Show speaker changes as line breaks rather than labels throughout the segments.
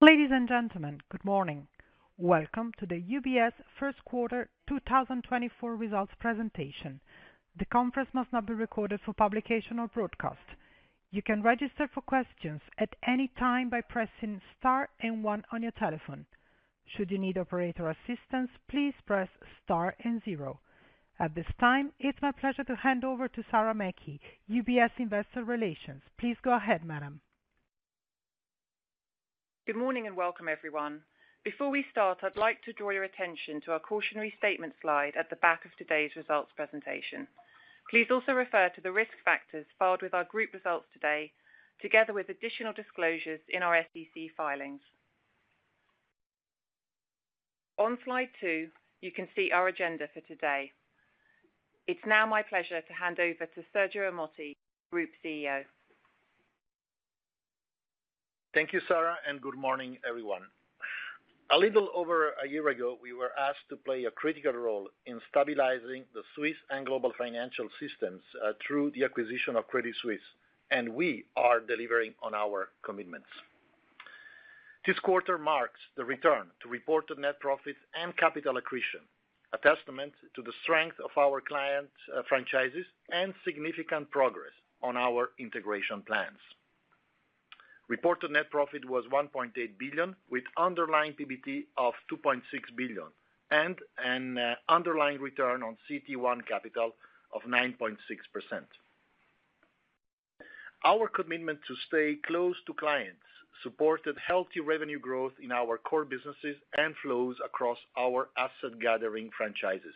Ladies and gentlemen, good morning. Welcome to the UBS first quarter 2024 results presentation. The conference must not be recorded for publication or broadcast. You can register for questions at any time by pressing star and one on your telephone. Should you need operator assistance, please press star and zero. At this time, it's my pleasure to hand over to Sarah Mackey, UBS Investor Relations. Please go ahead, madam.
Good morning, and welcome, everyone. Before we start, I'd like to draw your attention to our cautionary statement slide at the back of today's results presentation. Please also refer to the risk factors filed with our group results today, together with additional disclosures in our SEC filings. On slide two, you can see our agenda for today. It's now my pleasure to hand over to Sergio Ermotti, Group CEO.
Thank you, Sarah, and good morning, everyone. A little over a year ago, we were asked to play a critical role in stabilizing the Swiss and global financial systems through the acquisition of Credit Suisse, and we are delivering on our commitments. This quarter marks the return to reported net profits and capital accretion, a testament to the strength of our client franchises and significant progress on our integration plans. Reported net profit was $ 1.8 billion, with underlying PBT of $ 2.6 billion and an underlying return on CET1 capital of 9.6%. Our commitment to stay close to clients supported healthy revenue growth in our core businesses and flows across our asset-gathering franchises.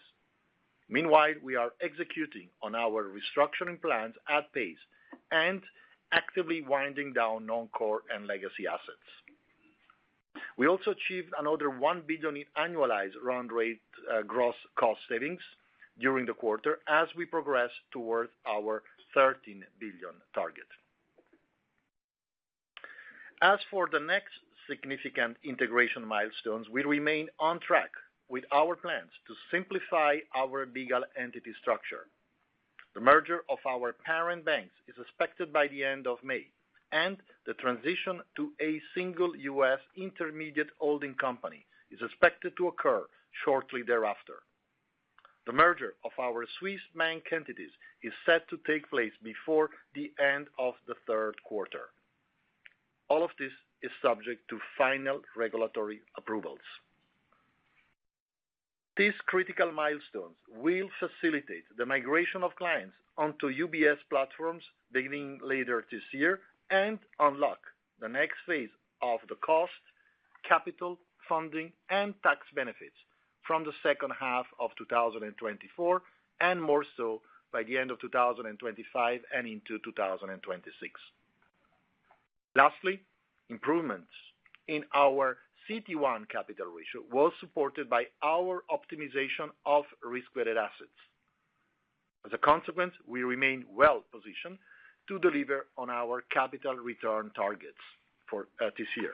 Meanwhile, we are executing on our restructuring plans at pace and actively winding down non-core and legacy assets. We also achieved another $ 1 billion in annualized run rate, gross cost savings during the quarter as we progress towards our $ 13 billion target. As for the next significant integration milestones, we remain on track with our plans to simplify our legal entity structure. The merger of our parent banks is expected by the end of May, and the transition to a single U.S. intermediate holding company is expected to occur shortly thereafter. The merger of our Swiss bank entities is set to take place before the end of the third quarter. All of this is subject to final regulatory approvals. These critical milestones will facilitate the migration of clients onto UBS platforms beginning later this year and unlock the next phase of the cost, capital, funding, and tax benefits from the second half of 2024, and more so by the end of 2025 and into 2026. Lastly, improvements in our CET1 capital ratio was supported by our optimization of risk-weighted assets. As a consequence, we remain well-positioned to deliver on our capital return targets for this year.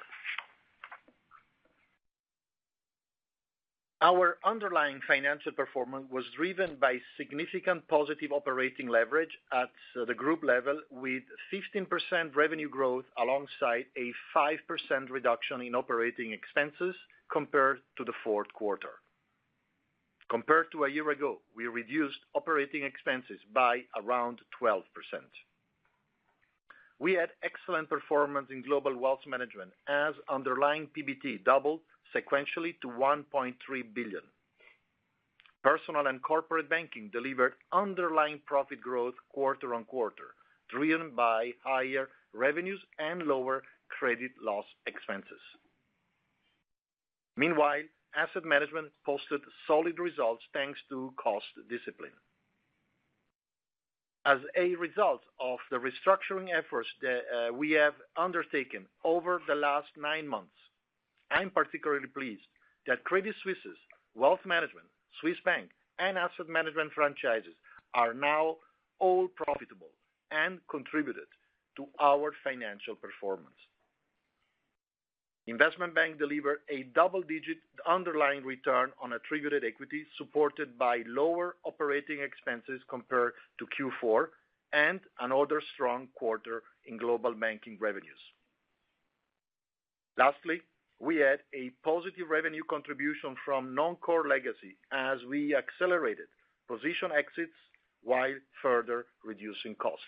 Our underlying financial performance was driven by significant positive operating leverage at the group level, with 15% revenue growth, alongside a 5% reduction in operating expenses compared to the fourth quarter. Compared to a year ago, we reduced operating expenses by around 12%. We had excellent performance in Global Wealth Management, as underlying PBT doubled sequentially to $ 1.3 billion. Personal and Corporate Banking delivered underlying profit growth quarter-over-quarter, driven by higher revenues and lower credit loss expenses. Meanwhile, Asset Management posted solid results, thanks to cost discipline. As a result of the restructuring efforts that we have undertaken over the last nine months, I'm particularly pleased that Credit Suisse's Wealth Management, Swiss Bank, and Asset Management franchises are now all profitable and contributed to our financial performance. Investment Bank delivered a double-digit underlying return on attributed equity, supported by lower operating expenses compared to Q4, and another strong quarter in global banking revenues. Lastly, we had a positive revenue contribution from non-core legacy as we accelerated position exits while further reducing costs.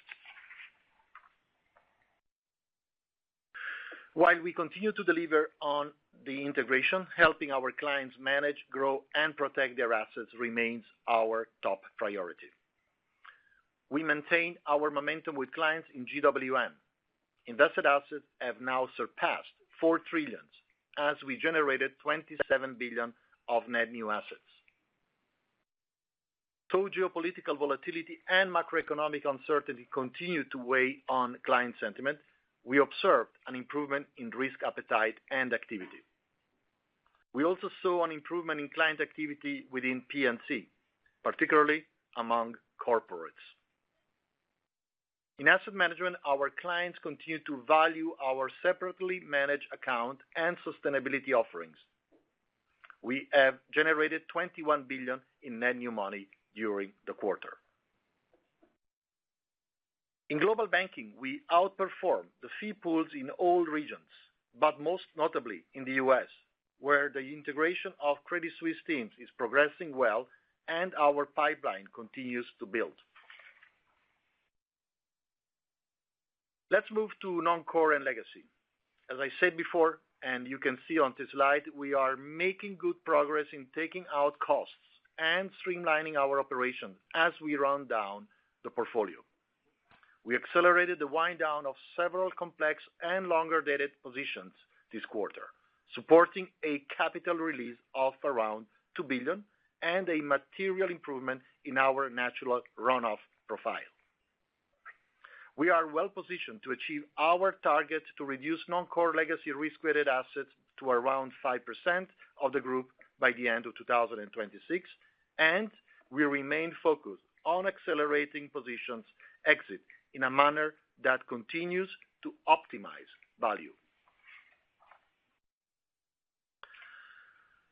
While we continue to deliver on the integration, helping our clients manage, grow, and protect their assets remains our top priority. We maintained our momentum with clients in GWM. Invested assets have now surpassed $4 trillion, as we generated $27 billion of net new assets. Though geopolitical volatility and macroeconomic uncertainty continued to weigh on client sentiment, we observed an improvement in risk appetite and activity. We also saw an improvement in client activity within PNC, particularly among corporates. In Asset Management, our clients continued to value our separately managed account and sustainability offerings. We have generated $ 21 billion in net new money during the quarter. In global banking, we outperformed the fee pools in all regions, but most notably in the US, where the integration of Credit Suisse teams is progressing well and our pipeline continues to build. Let's move to non-core and legacy. As I said before, and you can see on this slide, we are making good progress in taking out costs and streamlining our operation as we run down the portfolio. We accelerated the wind down of several complex and longer-dated positions this quarter, supporting a capital release of around $ 2 billion and a material improvement in our natural run-off profile. We are well positioned to achieve our target to reduce non-core legacy risk-weighted assets to around 5% of the group by the end of 2026, and we remain focused on accelerating positions exit in a manner that continues to optimize value.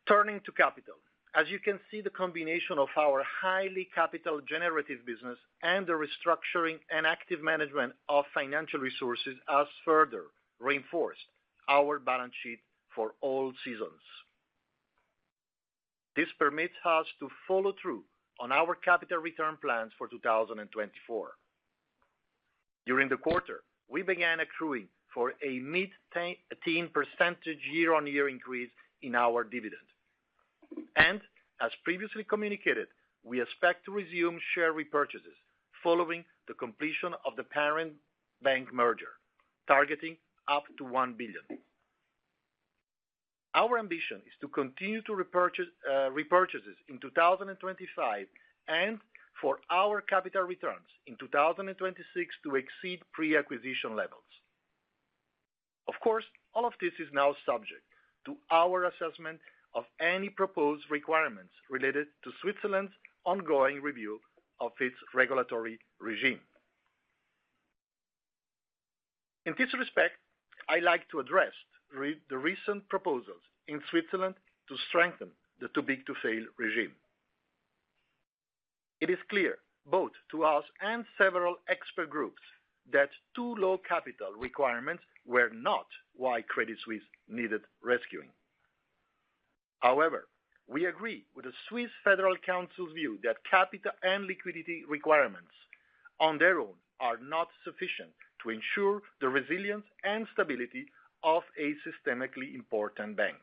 Turning to capital. As you can see, the combination of our highly capital generative business and the restructuring and active management of financial resources has further reinforced our balance sheet for all seasons. This permits us to follow through on our capital return plans for 2024. During the quarter, we began accruing for a mid-teen percentage year-on-year increase in our dividend. As previously communicated, we expect to resume share repurchases following the completion of the parent bank merger, targeting up to $ 1 billion. Our ambition is to continue to repurchase repurchases in 2025, and for our capital returns in 2026 to exceed pre-acquisition levels. Of course, all of this is now subject to our assessment of any proposed requirements related to Switzerland's ongoing review of its regulatory regime. In this respect, I'd like to address the recent proposals in Switzerland to strengthen the too-big-to-fail regime. It is clear, both to us and several expert groups, that too low capital requirements were not why Credit Suisse needed rescuing. However, we agree with the Swiss Federal Council's view that capital and liquidity requirements on their own are not sufficient to ensure the resilience and stability of a systemically important bank.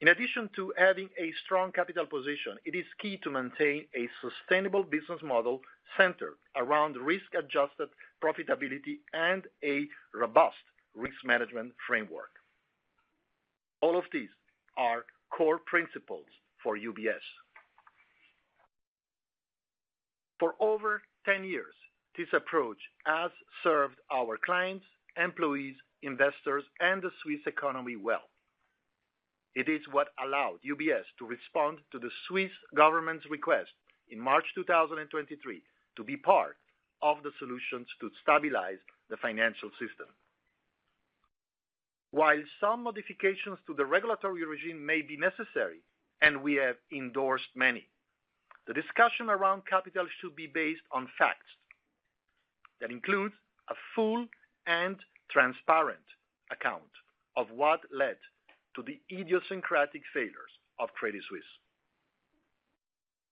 In addition to having a strong capital position, it is key to maintain a sustainable business model centered around risk-adjusted profitability and a robust risk management framework. All of these are core principles for UBS. For over 10 years, this approach has served our clients, employees, investors, and the Swiss economy well. It is what allowed UBS to respond to the Swiss government's request in March 2023 to be part of the solutions to stabilize the financial system. While some modifications to the regulatory regime may be necessary, and we have endorsed many, the discussion around capital should be based on facts. That includes a full and transparent account of what led to the idiosyncratic failures of Credit Suisse.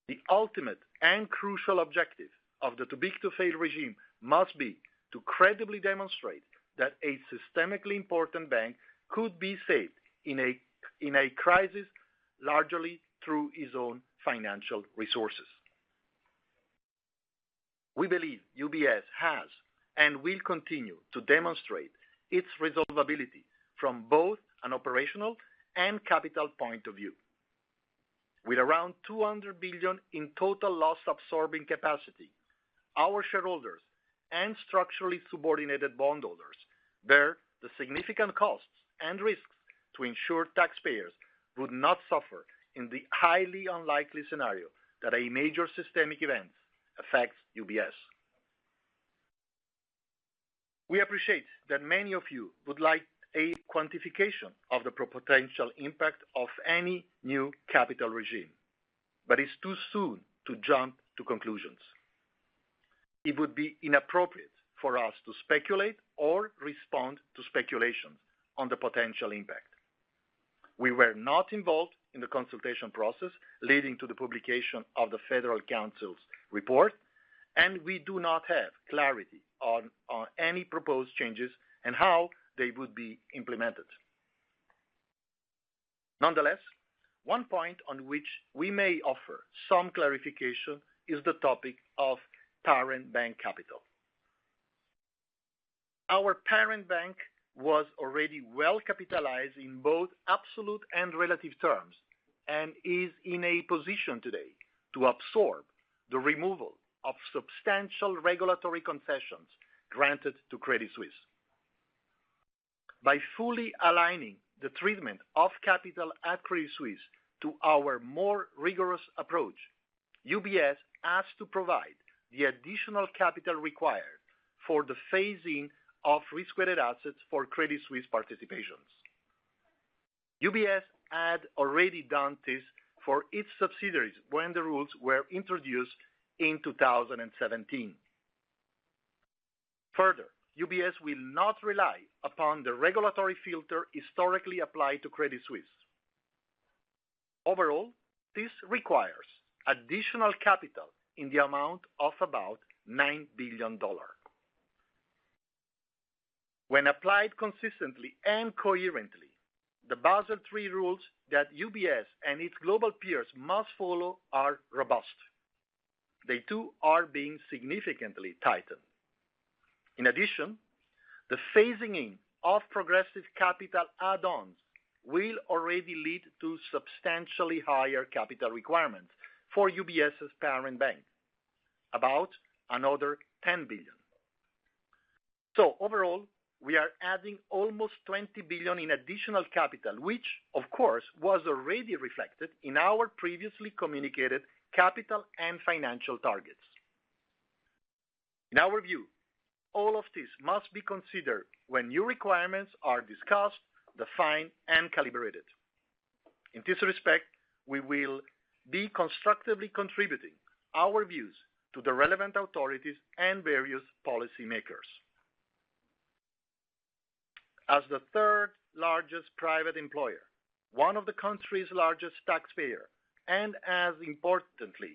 The ultimate and crucial objective of the too-big-to-fail regime must be to credibly demonstrate that a systemically important bank could be saved in a crisis, largely through its own financial resources. We believe UBS has and will continue to demonstrate its resolvability from both an operational and capital point of view. With around $ 200 billion in total loss-absorbing capacity, our shareholders and structurally subordinated bondholders bear the significant costs and risks to ensure taxpayers would not suffer in the highly unlikely scenario that a major systemic event affects UBS. We appreciate that many of you would like a quantification of the potential impact of any new capital regime, but it's too soon to jump to conclusions. It would be inappropriate for us to speculate or respond to speculations on the potential impact. We were not involved in the consultation process leading to the publication of the Swiss Federal Council's report, and we do not have clarity on any proposed changes and how they would be implemented. Nonetheless, one point on which we may offer some clarification is the topic of parent bank capital. Our parent bank was already well capitalized in both absolute and relative terms, and is in a position today to absorb the removal of substantial regulatory concessions granted to Credit Suisse. By fully aligning the treatment of capital at Credit Suisse to our more rigorous approach, UBS has to provide the additional capital required for the phasing of risk-weighted assets for Credit Suisse participations. UBS had already done this for its subsidiaries when the rules were introduced in 2017. Further, UBS will not rely upon the regulatory filter historically applied to Credit Suisse. Overall, this requires additional capital in the amount of about $9 billion. When applied consistently and coherently, the Basel III rules that UBS and its global peers must follow are robust. They, too, are being significantly tightened. In addition, the phasing in of progressive capital add-ons will already lead to substantially higher capital requirements for UBS's parent bank, about another $10 billion. So overall, we are adding almost $20 billion in additional capital, which of course, was already reflected in our previously communicated capital and financial targets. In our view, all of this must be considered when new requirements are discussed, defined, and calibrated. In this respect, we will be constructively contributing our views to the relevant authorities and various policy makers. As the third-largest private employer, one of the country's largest taxpayer, and as importantly,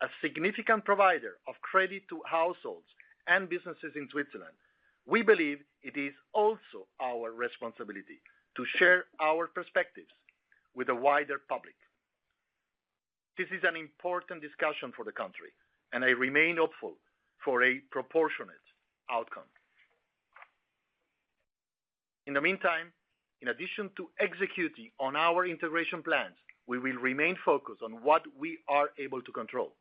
a significant provider of credit to households and businesses in Switzerland, we believe it is also our responsibility to share our perspectives with the wider public. This is an important discussion for the country, and I remain hopeful for a proportionate outcome. In the meantime, in addition to executing on our integration plans, we will remain focused on what we are able to control,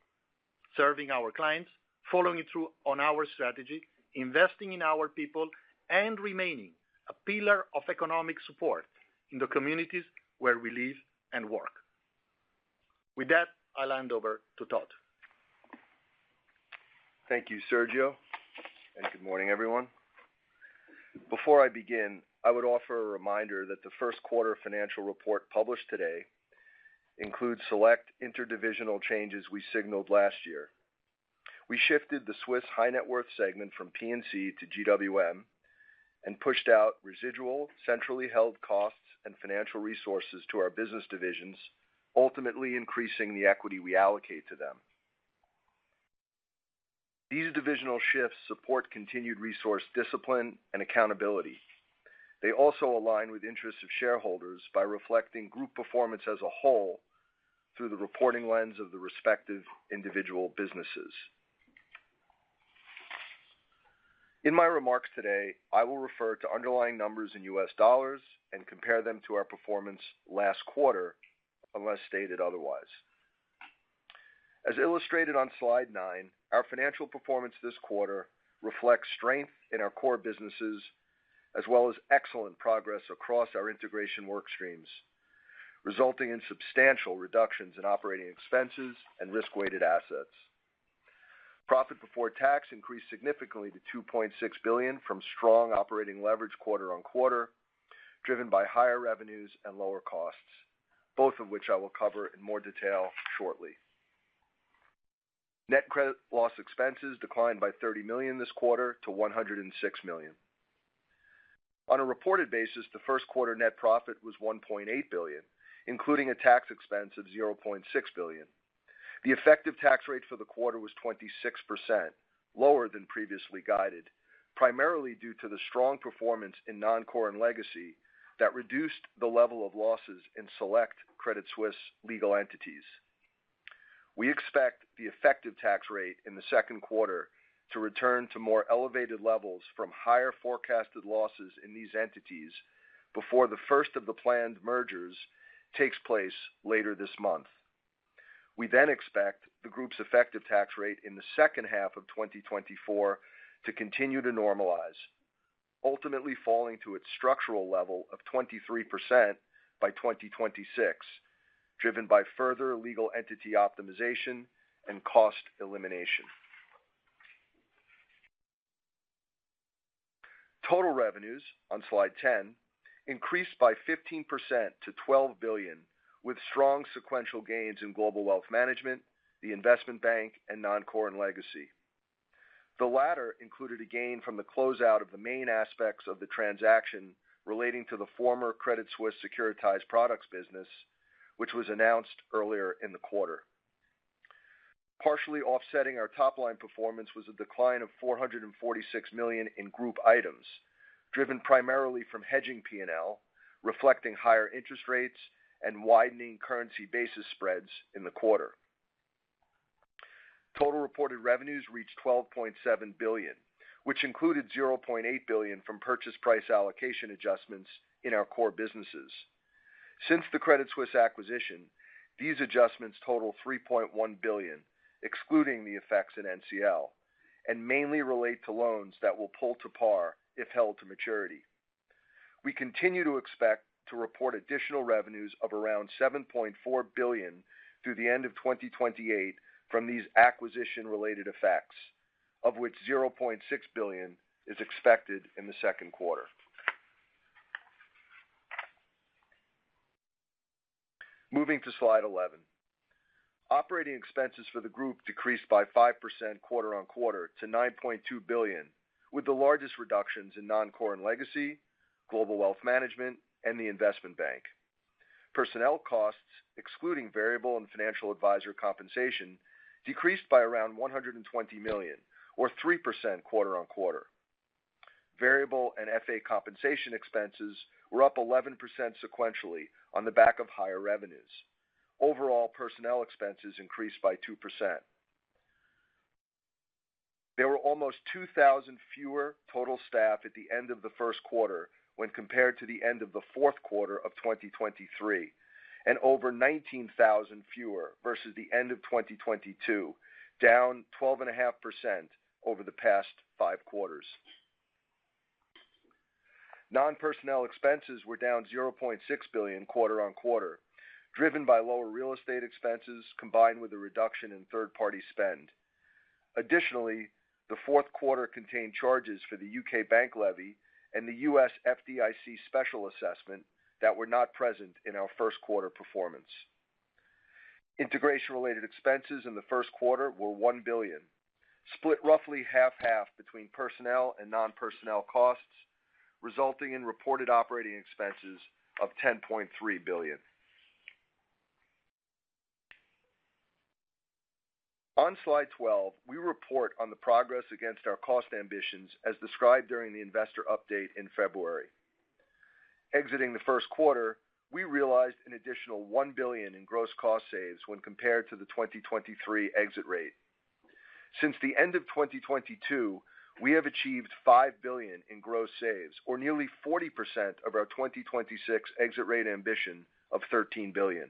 serving our clients, following through on our strategy, investing in our people, and remaining a pillar of economic support in the communities where we live and work. With that, I'll hand over to Todd.
Thank you, Sergio, and good morning, everyone. Before I begin, I would offer a reminder that the first quarter financial report published today includes select interdivisional changes we signaled last year. We shifted the Swiss high net worth segment from P&C to GWM and pushed out residual, centrally held costs and financial resources to our business divisions, ultimately increasing the equity we allocate to them. These divisional shifts support continued resource discipline and accountability. They also align with interests of shareholders by reflecting group performance as a whole through the reporting lens of the respective individual businesses. In my remarks today, I will refer to underlying numbers in US dollars and compare them to our performance last quarter, unless stated otherwise. As illustrated on slide nine, our financial performance this quarter reflects strength in our core businesses, as well as excellent progress across our integration work streams, resulting in substantial reductions in operating expenses and risk-weighted assets. Profit before tax increased significantly to $ 2.6 billion from strong operating leverage quarter-on-quarter, driven by higher revenues and lower costs, both of which I will cover in more detail shortly. Net credit loss expenses declined by $ 30 million this quarter to $ 106 million. On a reported basis, the first quarter net profit was $ 1.8 billion, including a tax expense of $ 0.6 billion. The effective tax rate for the quarter was 26%, lower than previously guided, primarily due to the strong performance in non-core and legacy that reduced the level of losses in select Credit Suisse legal entities. We expect the effective tax rate in the second quarter to return to more elevated levels from higher forecasted losses in these entities before the first of the planned mergers takes place later this month. We then expect the group's effective tax rate in the second half of 2024 to continue to normalize, ultimately falling to its structural level of 23% by 2026, driven by further legal entity optimization and cost elimination. Total revenues, on slide 10, increased by 15% to $ 12 billion, with strong sequential gains in Global Wealth Management, the Investment Bank, and Non-Core and Legacy. The latter included a gain from the closeout of the main aspects of the transaction relating to the former Credit Suisse securitized products business, which was announced earlier in the quarter. Partially offsetting our top-line performance was a decline of $ 446 million in group items, driven primarily from hedging P&L, reflecting higher interest rates and widening currency basis spreads in the quarter. Total reported revenues reached $ 12.7 billion, which included $ 0.8 billion from purchase price allocation adjustments in our core businesses. Since the Credit Suisse acquisition, these adjustments total $ 3.1 billion, excluding the effects at NCL, and mainly relate to loans that will pull to par if held to maturity. We continue to expect to report additional revenues of around $ 7.4 billion through the end of 2028 from these acquisition-related effects, of which $ 0.6 billion is expected in the second quarter. Moving to Slide 11. Operating expenses for the group decreased by 5% quarter-on-quarter to $ 9.2 billion, with the largest reductions in Non-Core and Legacy, Global Wealth Management, and the Investment Bank. Personnel costs, excluding variable and financial advisor compensation, decreased by around $ 120 million, or 3% quarter-on-quarter. Variable and FA compensation expenses were up 11% sequentially on the back of higher revenues. Overall, personnel expenses increased by 2%. There were almost 2,000 fewer total staff at the end of the first quarter when compared to the end of the fourth quarter of 2023, and over 19,000 fewer versus the end of 2022, down 12.5% over the past five quarters. Non-personnel expenses were down $ 0.6 billion quarter-on-quarter, driven by lower real estate expenses, combined with a reduction in third-party spend. Additionally, the fourth quarter contained charges for the UK bank levy and the US FDIC special assessment that were not present in our first quarter performance. Integration-related expenses in the first quarter were $ 1 billion, split roughly half half between personnel and non-personnel costs, resulting in reported operating expenses of $ 10.3 billion. On Slide 12, we report on the progress against our cost ambitions as described during the investor update in February. Exiting the first quarter, we realized an additional $ 1 billion in gross cost saves when compared to the 2023 exit rate. Since the end of 2022, we have achieved $ 5 billion in gross saves, or nearly 40% of our 2026 exit rate ambition of $ 13 billion.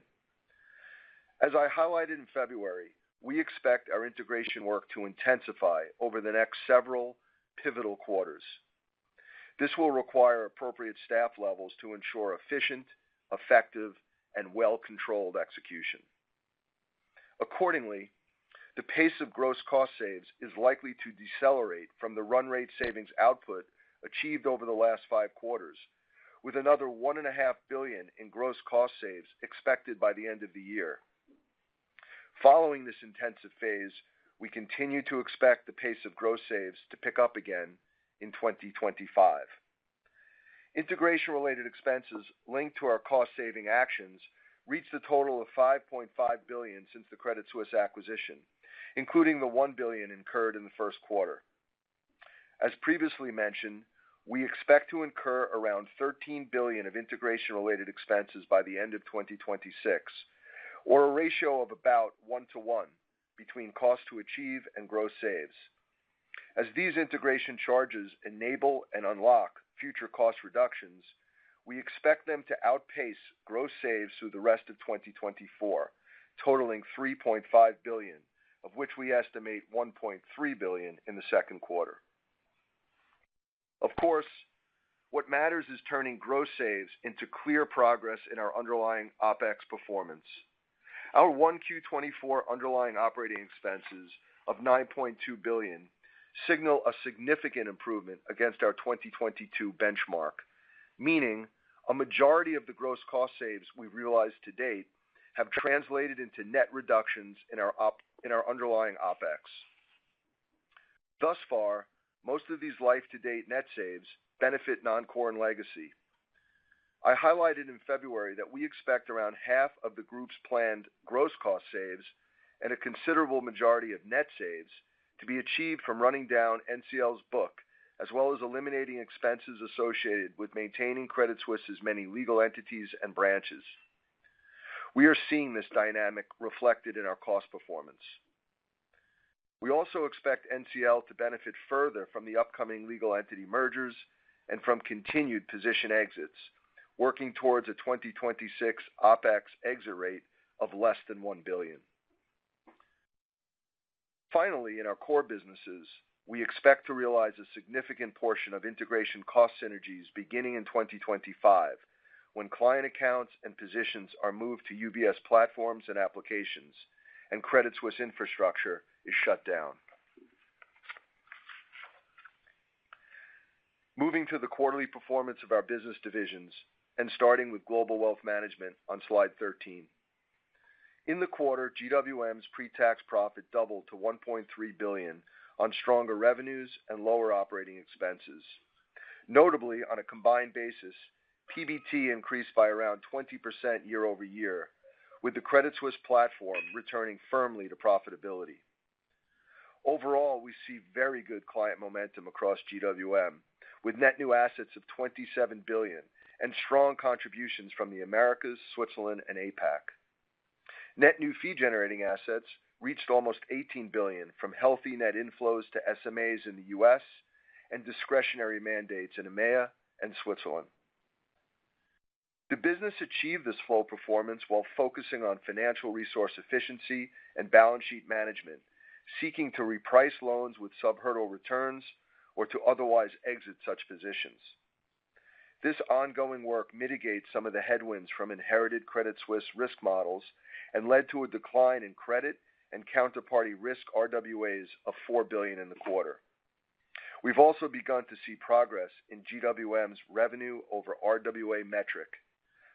As I highlighted in February, we expect our integration work to intensify over the next several pivotal quarters. This will require appropriate staff levels to ensure efficient, effective, and well-controlled execution. Accordingly, the pace of gross cost saves is likely to decelerate from the run rate savings output achieved over the last five quarters, with another $ 1.5 billion in gross cost saves expected by the end of the year. Following this intensive phase, we continue to expect the pace of gross saves to pick up again in 2025. Integration-related expenses linked to our cost-saving actions reached a total of $ 5.5 billion since the Credit Suisse acquisition, including the $ 1 billion incurred in the first quarter. As previously mentioned, we expect to incur around $ 13 billion of integration-related expenses by the end of 2026, or a ratio of about 1:1 between cost to achieve and gross saves. As these integration charges enable and unlock future cost reductions, we expect them to outpace gross saves through the rest of 2024, totaling $ 3.5 billion, of which we estimate $ 1.3 billion in the second quarter. Of course, what matters is turning gross saves into clear progress in our underlying OpEx performance. Our 1Q 2024 underlying operating expenses of $ 9.2 billion signal a significant improvement against our 2022 benchmark, meaning a majority of the gross cost saves we've realized to date have translated into net reductions in our underlying OpEx. Thus far, most of these life-to-date net saves benefit non-core and legacy. I highlighted in February that we expect around half of the group's planned gross cost saves and a considerable majority of net saves to be achieved from running down NCL's book, as well as eliminating expenses associated with maintaining Credit Suisse's many legal entities and branches. We are seeing this dynamic reflected in our cost performance. We also expect NCL to benefit further from the upcoming legal entity mergers and from continued position exits, working towards a 2026 OpEx exit rate of less than $ 1 billion. Finally, in our core businesses, we expect to realize a significant portion of integration cost synergies beginning in 2025, when client accounts and positions are moved to UBS platforms and applications, and Credit Suisse infrastructure is shut down. Moving to the quarterly performance of our business divisions, and starting with Global Wealth Management on Slide 13. In the quarter, GWM's pretax profit doubled to $ 1.3 billion on stronger revenues and lower operating expenses. Notably, on a combined basis, PBT increased by around 20% year-over-year, with the Credit Suisse platform returning firmly to profitability. Overall, we see very good client momentum across GWM, with net new assets of $ 27 billion and strong contributions from the Americas, Switzerland, and APAC. Net new fee-generating assets reached almost $ 18 billion from healthy net inflows to SMAs in the US and discretionary mandates in EMEA and Switzerland. The business achieved this flow performance while focusing on financial resource efficiency and balance sheet management, seeking to reprice loans with subhurdle returns or to otherwise exit such positions. This ongoing work mitigates some of the headwinds from inherited Credit Suisse risk models and led to a decline in credit and counterparty risk RWAs of $ 4 billion in the quarter. We've also begun to see progress in GWM's revenue over RWA metric,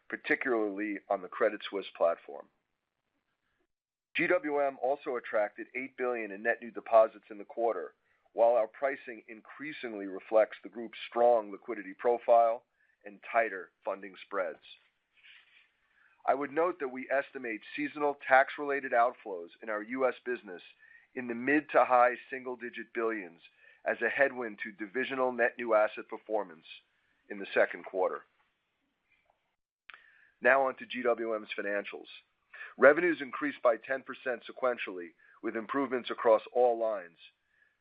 particularly on the Credit Suisse platform. GWM also attracted $ 8 billion in net new deposits in the quarter, while our pricing increasingly reflects the group's strong liquidity profile and tighter funding spreads. I would note that we estimate seasonal tax-related outflows in our U.S. business in the mid- to high-single-digit billions as a headwind to divisional net new asset performance in the second quarter. Now on to GWM's financials. Revenues increased by 10% sequentially, with improvements across all lines,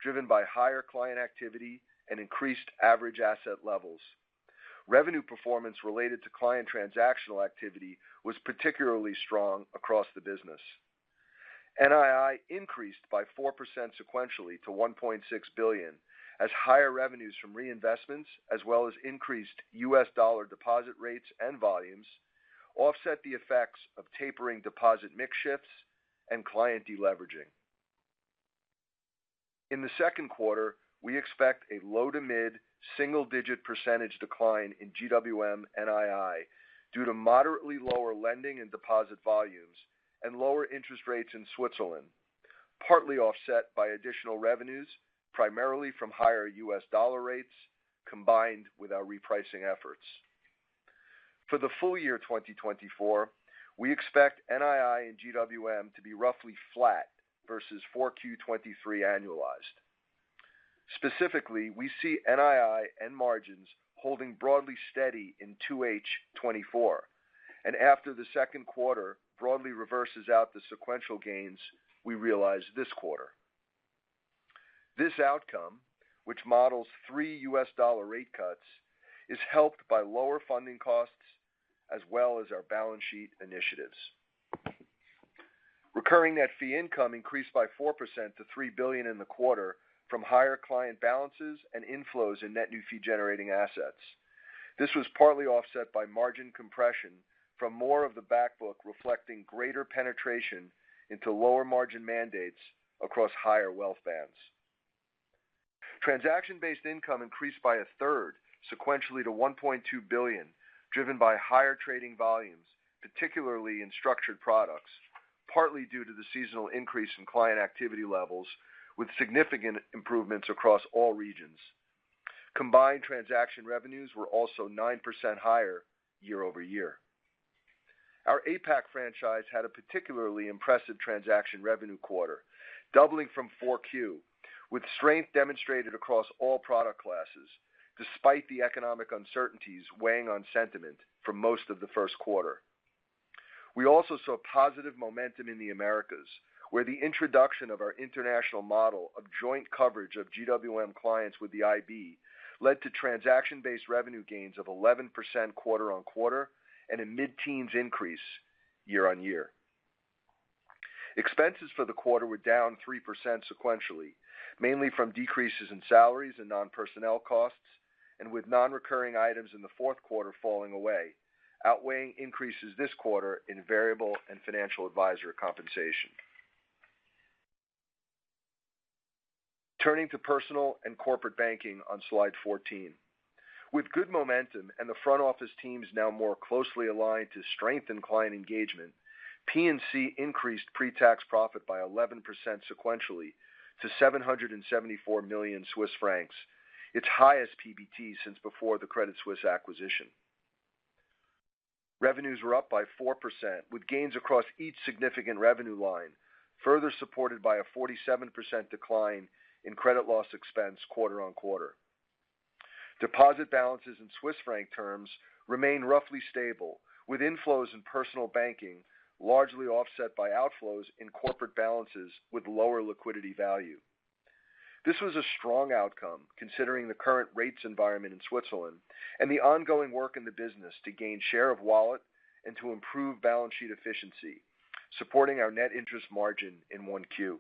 driven by higher client activity and increased average asset levels. Revenue performance related to client transactional activity was particularly strong across the business. NII increased by 4% sequentially to $ 1.6 billion, as higher revenues from reinvestments, as well as increased US dollar deposit rates and volumes, offset the effects of tapering deposit mix shifts and client deleveraging. In the second quarter, we expect a low to mid single-digit percentage decline in GWM NII due to moderately lower lending and deposit volumes and lower interest rates in Switzerland, partly offset by additional revenues, primarily from higher US dollar rates, combined with our repricing efforts. For the full-year 2024, we expect NII and GWM to be roughly flat versus 4Q 2023 annualized. Specifically, we see NII and margins holding broadly steady in 2H 2024, and after the second quarter, broadly reverses out the sequential gains we realized this quarter. This outcome, which models $3 rate cuts, is helped by lower funding costs as well as our balance sheet initiatives. Recurring net fee income increased by 4% to $ 3 billion in the quarter from higher client balances and inflows in net new fee-generating assets. This was partly offset by margin compression from more of the back book, reflecting greater penetration into lower margin mandates across higher wealth bands. Transaction-based income increased by a third sequentially to $ 1.2 billion, driven by higher trading volumes, particularly in structured products, partly due to the seasonal increase in client activity levels, with significant improvements across all regions. Combined transaction revenues were also 9% higher year-over-year. Our APAC franchise had a particularly impressive transaction revenue quarter, doubling from Q4, with strength demonstrated across all product classes, despite the economic uncertainties weighing on sentiment for most of the first quarter. We also saw positive momentum in the Americas, where the introduction of our international model of joint coverage of GWM clients with the IB led to transaction-based revenue gains of 11% quarter-on-quarter and a mid-teens increase year-on-year. Expenses for the quarter were down 3% sequentially, mainly from decreases in salaries and non-personnel costs, and with non-recurring items in the fourth quarter falling away, outweighing increases this quarter in variable and financial advisor compensation. Turning to personal and corporate banking on slide 14. With good momentum and the front office teams now more closely aligned to strengthen client engagement, P&C increased pre-tax profit by 11% sequentially to $ 774 million, its highest PBT since before the Credit Suisse acquisition. Revenues were up by 4%, with gains across each significant revenue line, further supported by a 47% decline in credit loss expense quarter on quarter. Deposit balances in Swiss franc terms remain roughly stable, with inflows in personal banking largely offset by outflows in corporate balances with lower liquidity value. This was a strong outcome, considering the current rates environment in Switzerland and the ongoing work in the business to gain share of wallet and to improve balance sheet efficiency, supporting our net interest margin in 1Q.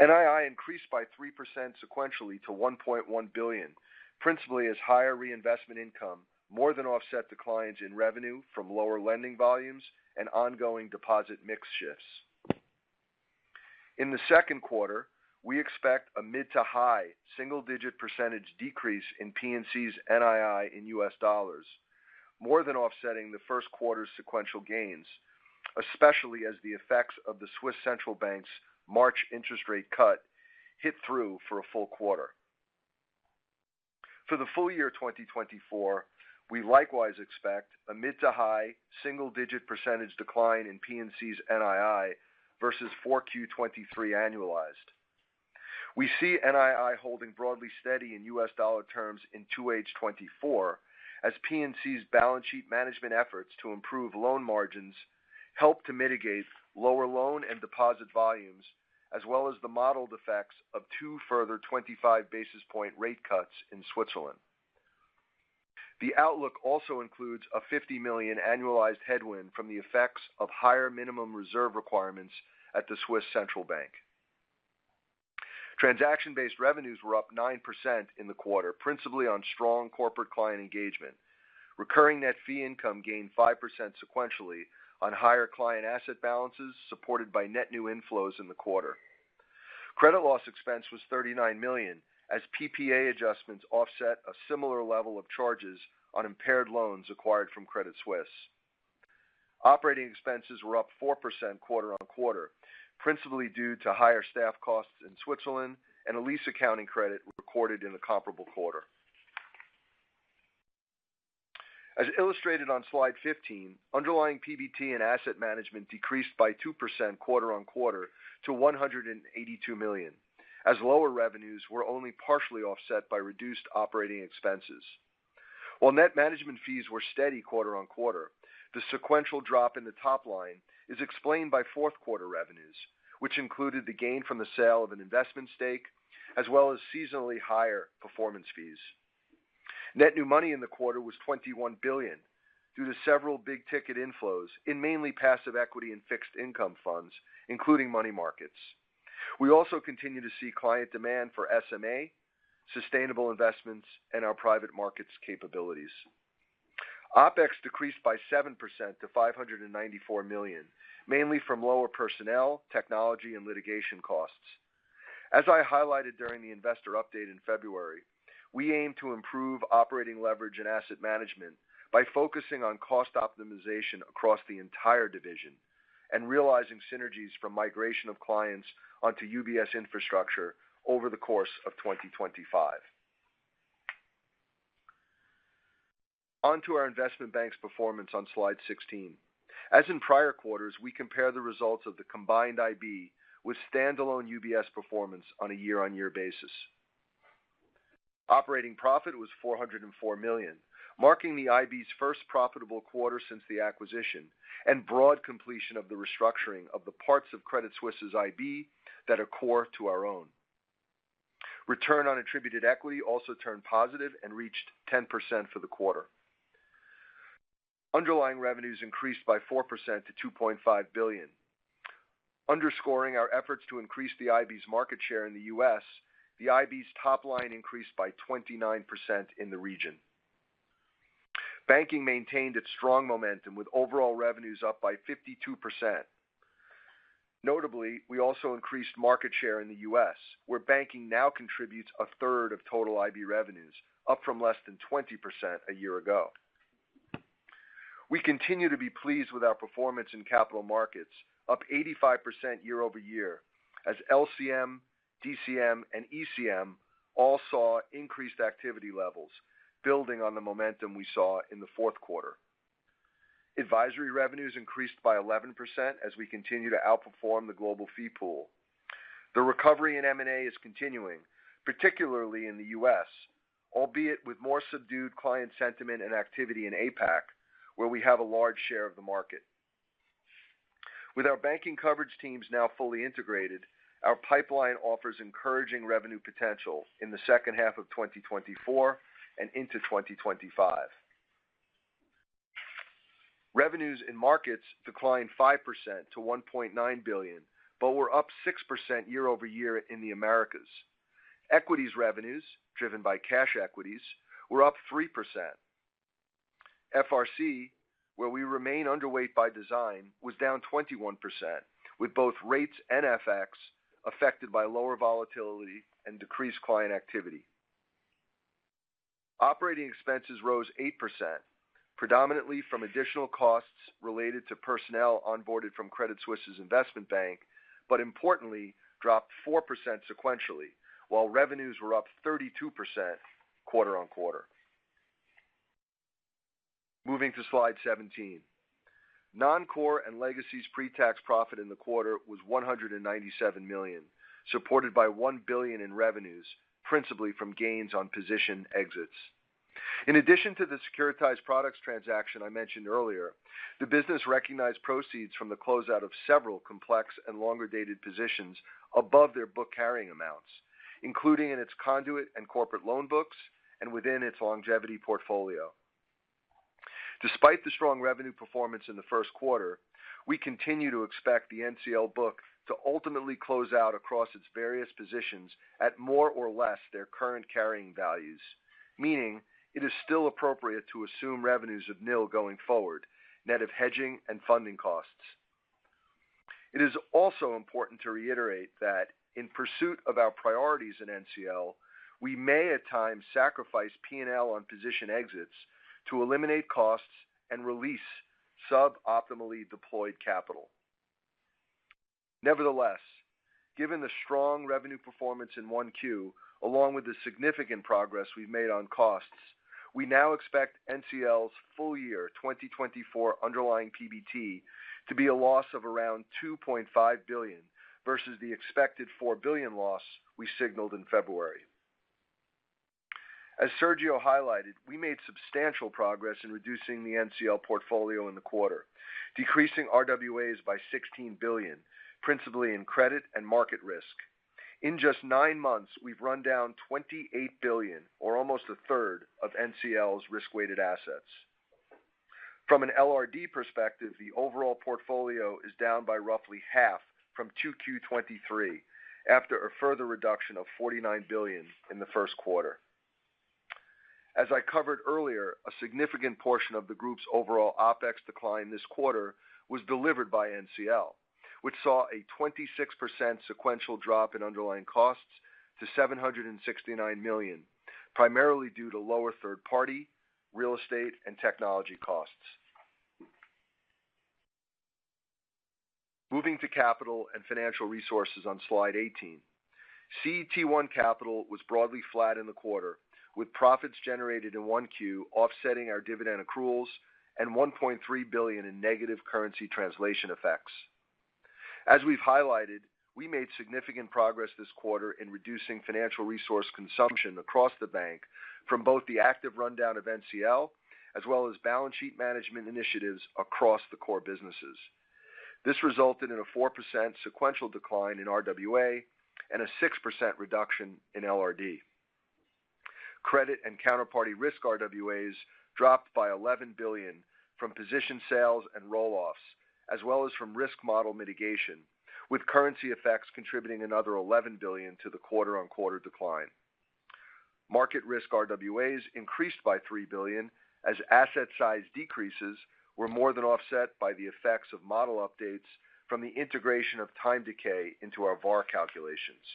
NII increased by 3% sequentially to $1.1 billion, principally as higher reinvestment income, more than offset declines in revenue from lower lending volumes and ongoing deposit mix shifts. In the second quarter, we expect a mid-to-high single-digit % decrease in PNC's NII in U.S. dollars, more than offsetting the first quarter's sequential gains, especially as the effects of the Swiss Central Bank's March interest rate cut hit through for a full quarter. For the full-year 2024, we likewise expect a mid-to-high single-digit % decline in PNC's NII versus 4Q 2023 annualized. We see NII holding broadly steady in U.S. dollar terms in 2H 2024, as PNC's balance sheet management efforts to improve loan margins help to mitigate lower loan and deposit volumes, as well as the modeled effects of two further 25 basis point rate cuts in Switzerland. The outlook also includes a $ 50 million annualized headwind from the effects of higher minimum reserve requirements at the Swiss Central Bank. Transaction-based revenues were up 9% in the quarter, principally on strong corporate client engagement. Recurring net fee income gained 5% sequentially on higher client asset balances, supported by net new inflows in the quarter. Credit loss expense was $ 39 million, as PPA adjustments offset a similar level of charges on impaired loans acquired from Credit Suisse. Operating expenses were up 4% quarter-on-quarter, principally due to higher staff costs in Switzerland and a lease accounting credit recorded in the comparable quarter. As illustrated on slide 15, underlying PBT and asset management decreased by 2% quarter-on-quarter to $ 182 million, as lower revenues were only partially offset by reduced operating expenses. While net management fees were steady quarter-on-quarter, the sequential drop in the top line is explained by fourth quarter revenues, which included the gain from the sale of an investment stake, as well as seasonally higher performance fees. Net new money in the quarter was $ 21 billion, due to several big-ticket inflows in mainly passive equity and fixed income funds, including money markets. We also continue to see client demand for SMA, sustainable investments, and our private markets capabilities. OpEx decreased by 7% to $ 594 million, mainly from lower personnel, technology, and litigation costs. As I highlighted during the investor update in February, we aim to improve operating leverage and asset management by focusing on cost optimization across the entire division and realizing synergies from migration of clients onto UBS infrastructure over the course of 2025. On to our investment bank's performance on slide 16. As in prior quarters, we compare the results of the combined IB with standalone UBS performance on a year-on-year basis. Operating profit was $ 404 million, marking the IB's first profitable quarter since the acquisition and broad completion of the restructuring of the parts of Credit Suisse's IB that are core to our own. Return on attributed equity also turned positive and reached 10% for the quarter. Underlying revenues increased by 4% to $ 2.5 billion. Underscoring our efforts to increase the IB's market share in the US, the IB's top line increased by 29% in the region. Banking maintained its strong momentum, with overall revenues up by 52%. Notably, we also increased market share in the U.S., where banking now contributes a third of total IB revenues, up from less than 20% a year ago. We continue to be pleased with our performance in capital markets, up 85% year-over-year, as LCM, DCM, and ECM all saw increased activity levels, building on the momentum we saw in the fourth quarter. Advisory revenues increased by 11% as we continue to outperform the global fee pool. The recovery in M&A is continuing, particularly in the U.S., albeit with more subdued client sentiment and activity in APAC, where we have a large share of the market. With our banking coverage teams now fully integrated, our pipeline offers encouraging revenue potential in the second half of 2024 and into 2025. Revenues in markets declined 5% to $ 1.9 billion, but were up 6% year-over-year in the Americas. Equities revenues, driven by cash equities, were up 3%. FRC, where we remain underweight by design, was down 21%, with both rates and FX affected by lower volatility and decreased client activity. Operating expenses rose 8%, predominantly from additional costs related to personnel onboarded from Credit Suisse's investment bank, but importantly, dropped 4% sequentially, while revenues were up 32% quarter-over-quarter. Moving to slide 17. Non-Core and Legacy's pre-tax profit in the quarter was $ 197 million, supported by $ 1 billion in revenues, principally from gains on position exits. In addition to the securitized products transaction I mentioned earlier, the business recognized proceeds from the closeout of several complex and longer-dated positions above their book carrying amounts, including in its conduit and corporate loan books and within its longevity portfolio. Despite the strong revenue performance in the first quarter, we continue to expect the NCL book to ultimately close out across its various positions at more or less their current carrying values, meaning it is still appropriate to assume revenues of nil going forward, net of hedging and funding costs. It is also important to reiterate that in pursuit of our priorities in NCL, we may at times sacrifice P&L on position exits to eliminate costs and release suboptimally deployed capital. Nevertheless, given the strong revenue performance in 1Q, along with the significant progress we've made on costs, we now expect NCL's full-year 2024 underlying PBT to be a loss of around $ 2.5 billion versus the expected $ 4 billion loss we signaled in February. As Sergio highlighted, we made substantial progress in reducing the NCL portfolio in the quarter, decreasing RWAs by $ 16 billion, principally in credit and market risk. In just 9 months, we've run down $ 28 billion, or almost a third, of NCL's risk-weighted assets. From an LRD perspective, the overall portfolio is down by roughly half from 2Q 2023, after a further reduction of $ 49 billion in the first quarter. As I covered earlier, a significant portion of the group's overall OpEx decline this quarter was delivered by NCL, which saw a 26% sequential drop in underlying costs to $ 769 million, primarily due to lower third party, real estate, and technology costs. Moving to capital and financial resources on slide 18. CET1 capital was broadly flat in the quarter, with profits generated in 1Q offsetting our dividend accruals and $ 1.3 billion in negative currency translation effects. As we've highlighted, we made significant progress this quarter in reducing financial resource consumption across the bank from both the active rundown of NCL as well as balance sheet management initiatives across the core businesses. This resulted in a 4% sequential decline in RWA and a 6% reduction in LRD. Credit and counterparty risk RWAs dropped by $ 11 billion from position sales and roll-offs, as well as from risk model mitigation, with currency effects contributing another $ 11 billion to the quarter-on-quarter decline. Market risk RWAs increased by $ 3 billion as asset size decreases were more than offset by the effects of model updates from the integration of time decay into our VAR calculations.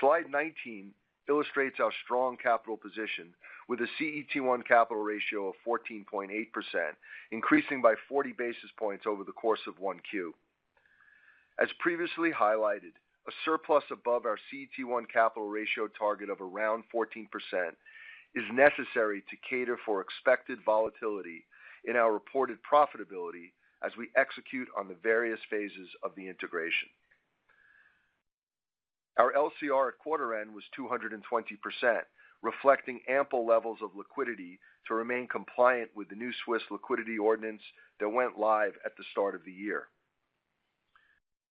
Slide 19 illustrates our strong capital position with a CET1 capital ratio of 14.8%, increasing by 40 basis points over the course of 1Q. As previously highlighted, a surplus above our CET1 capital ratio target of around 14% is necessary to cater for expected volatility in our reported profitability as we execute on the various phases of the integration. Our LCR at quarter end was 220%, reflecting ample levels of liquidity to remain compliant with the new Swiss liquidity ordinance that went live at the start of the year.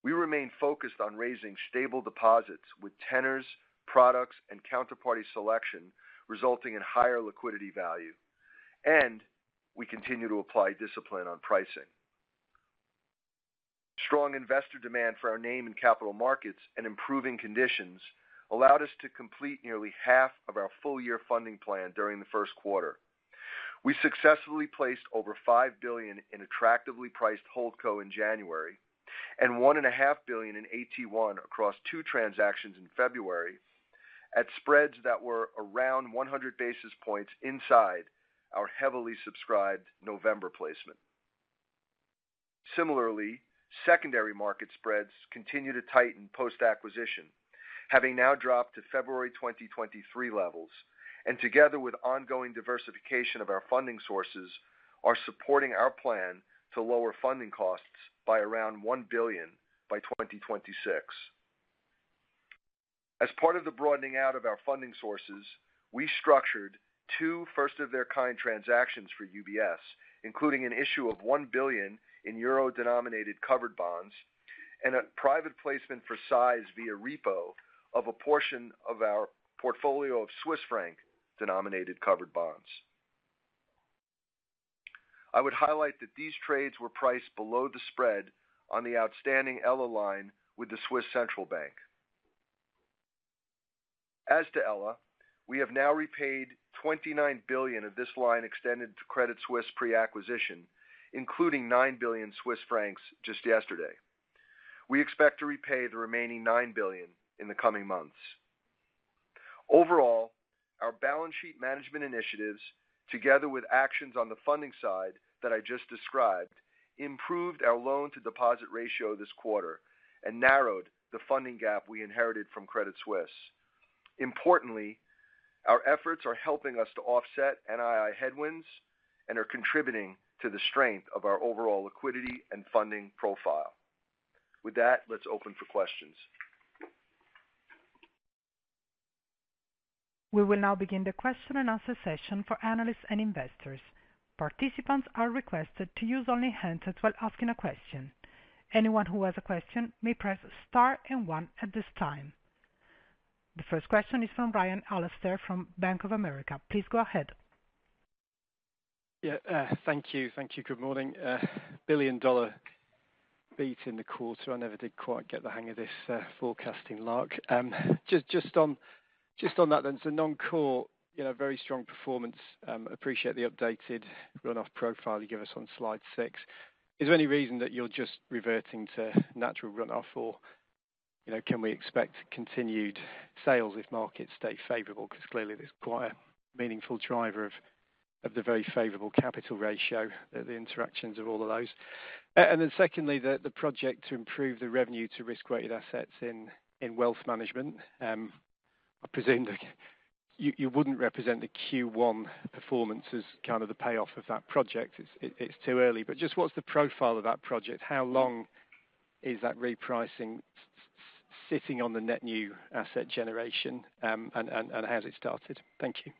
We remain focused on raising stable deposits with tenors, products, and counterparty selection, resulting in higher liquidity value, and we continue to apply discipline on pricing. Strong investor demand for our name in capital markets and improving conditions allowed us to complete nearly half of our full-year funding plan during the first quarter. We successfully placed over $ 5 billion in attractively priced Holdco in January, and $ 1.5 billion in AT1 across two transactions in February, at spreads that were around 100 basis points inside our heavily subscribed November placement. Similarly, secondary market spreads continue to tighten post-acquisition, having now dropped to February 2023 levels, and together with ongoing diversification of our funding sources, are supporting our plan to lower funding costs by around $ 1 billion by 2026. As part of the broadening out of our funding sources, we structured two first-of-their-kind transactions for UBS, including an issue of $ 1 billion in euro-denominated covered bonds and a private placement for size via repo of a portion of our portfolio of Swiss franc-denominated covered bonds. I would highlight that these trades were priced below the spread on the outstanding ELA line with the Swiss Central Bank. As to ELA, we have now repaid $ 29 billion of this line extended to Credit Suisse pre-acquisition, including $ 9 billion just yesterday. We expect to repay the remaining $ 9 billion in the coming months. Overall, our balance sheet management initiatives, together with actions on the funding side that I just described, improved our loan-to-deposit ratio this quarter and narrowed the funding gap we inherited from Credit Suisse. Importantly, our efforts are helping us to offset NII headwinds and are contributing to the strength of our overall liquidity and funding profile. With that, let's open for questions.
We will now begin the question and answer session for analysts and investors. Participants are requested to use only handsets while asking a question. Anyone who has a question may press star and one at this time. The first question is from Alastair Ryan from Bank of America. Please go ahead.
Yeah, thank you. Thank you. Good morning. A billion-dollar beat in the quarter. I never did quite get the hang of this forecasting lark. Just on that then, so non-core, you know, very strong performance. Appreciate the updated run-off profile you give us on slide six. Is there any reason that you're just reverting to natural run-off, or, you know, can we expect continued sales if markets stay favorable? Because clearly, there's quite a meaningful driver of the very favorable capital ratio, the interactions of all of those. And then secondly, the project to improve the revenue to risk-weighted assets in wealth management. I presume you wouldn't represent the Q1 performance as kind of the payoff of that project. It's too early. But just what's the profile of that project? How long is that repricing sitting on the net new asset generation, and how has it started? Thank you.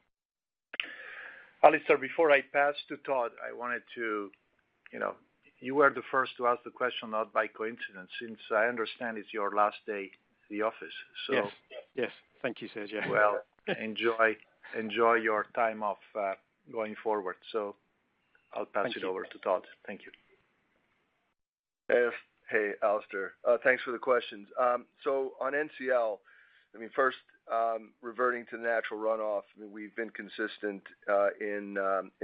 Alastair, before I pass to Todd, I wanted to you know, you were the first to ask the question, not by coincidence, since I understand it's your last day in the office, so
Yes. Yes. Thank you, Sergio.
Well, enjoy, enjoy your time off, going forward. I'll pass it over to Todd. Thank you.
Hey, Alastair. Thanks for the questions. So on NCL, I mean, first, reverting to natural runoff, we've been consistent, in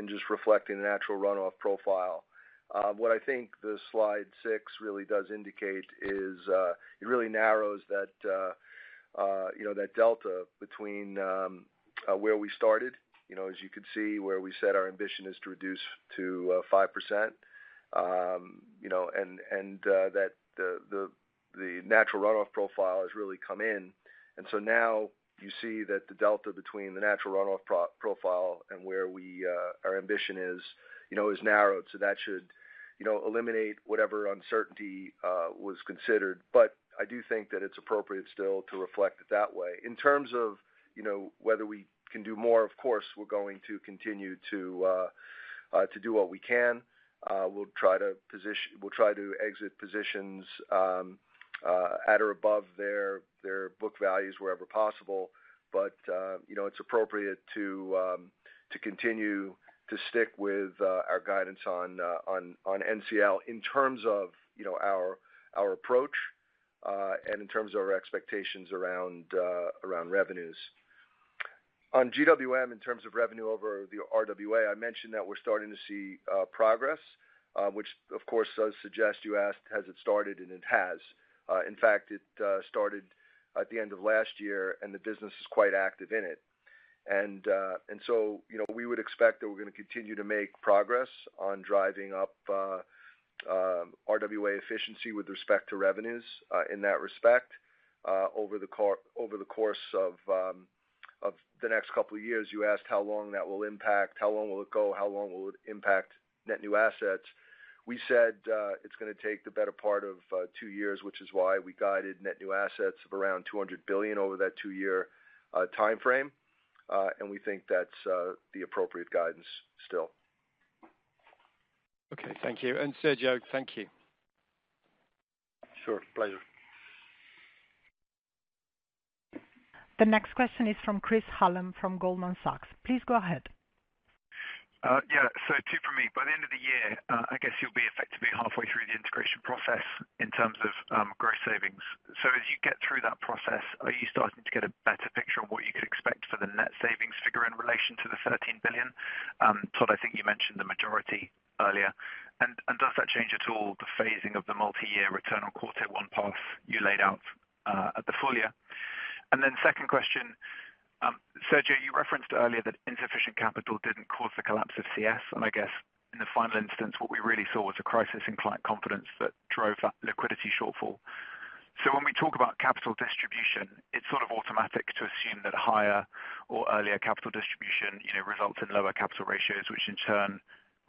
just reflecting the natural runoff profile. What I think the slide six really does indicate is, it really narrows that, you know, that delta between, where we started. You know, as you can see, where we said our ambition is to reduce to, 5%. You know, and, and, that the, the, the natural runoff profile has really come in. And so now you see that the delta between the natural runoff profile and where we, our ambition is, you know, is narrowed. So that should, you know, eliminate whatever uncertainty, was considered. But I do think that it's appropriate still to reflect it that way. In terms of, you know, whether we can do more, of course, we're going to continue to do what we can. We'll try to exit positions at or above their book values wherever possible. But, you know, it's appropriate to continue to stick with our guidance on NCL in terms of, you know, our approach, and in terms of our expectations around revenues. On GWM, in terms of revenue over the RWA, I mentioned that we're starting to see progress, which of course does suggest you asked, has it started? And it has. In fact, it started at the end of last year, and the business is quite active in it. So, you know, we would expect that we're going to continue to make progress on driving up RWA efficiency with respect to revenues in that respect over the over the course of of the next couple of years. You asked how long that will impact, how long will it go, how long will it impact net new assets? We said it's going to take the better part of two years, which is why we guided net new assets of around $ 200 billion over that two-year time frame. And we think that's the appropriate guidance still.
Okay, thank you. And Sergio, thank you.
Sure. Pleasure.
The next question is from Chris Hallam, from Goldman Sachs. Please go ahead.
Yeah, so two for me. By the end of the year, I guess you'll be effectively halfway through the integration process in terms of growth savings. So as you get through that process, are you starting to get a better picture on what you could expect for the net savings figure in relation to the $ 13 billion? Todd, I think you mentioned the majority earlier. And, and does that change at all, the phasing of the multi-year return on quarter one path you laid out at the full-year? And then second question, Sergio, you referenced earlier that insufficient capital didn't cause the collapse of CS, and I guess in the final instance, what we really saw was a crisis in client confidence that drove that liquidity shortfall. So when we talk about capital distribution, it's sort of automatic to assume that higher or earlier capital distribution, you know, results in lower capital ratios, which in turn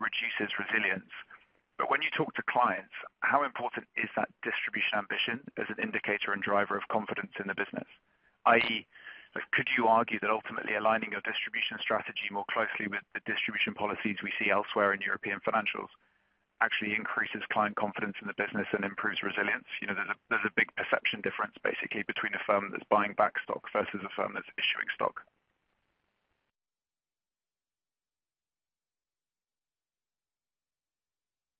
reduces resilience. But when you talk to clients, how important is that distribution ambition as an indicator and driver of confidence in the business? i.e., could you argue that ultimately aligning your distribution strategy more closely with the distribution policies we see elsewhere in European financials, actually increases client confidence in the business and improves resilience? You know, there's a big perception difference, basically, between a firm that's buying back stock versus a firm that's issuing stock.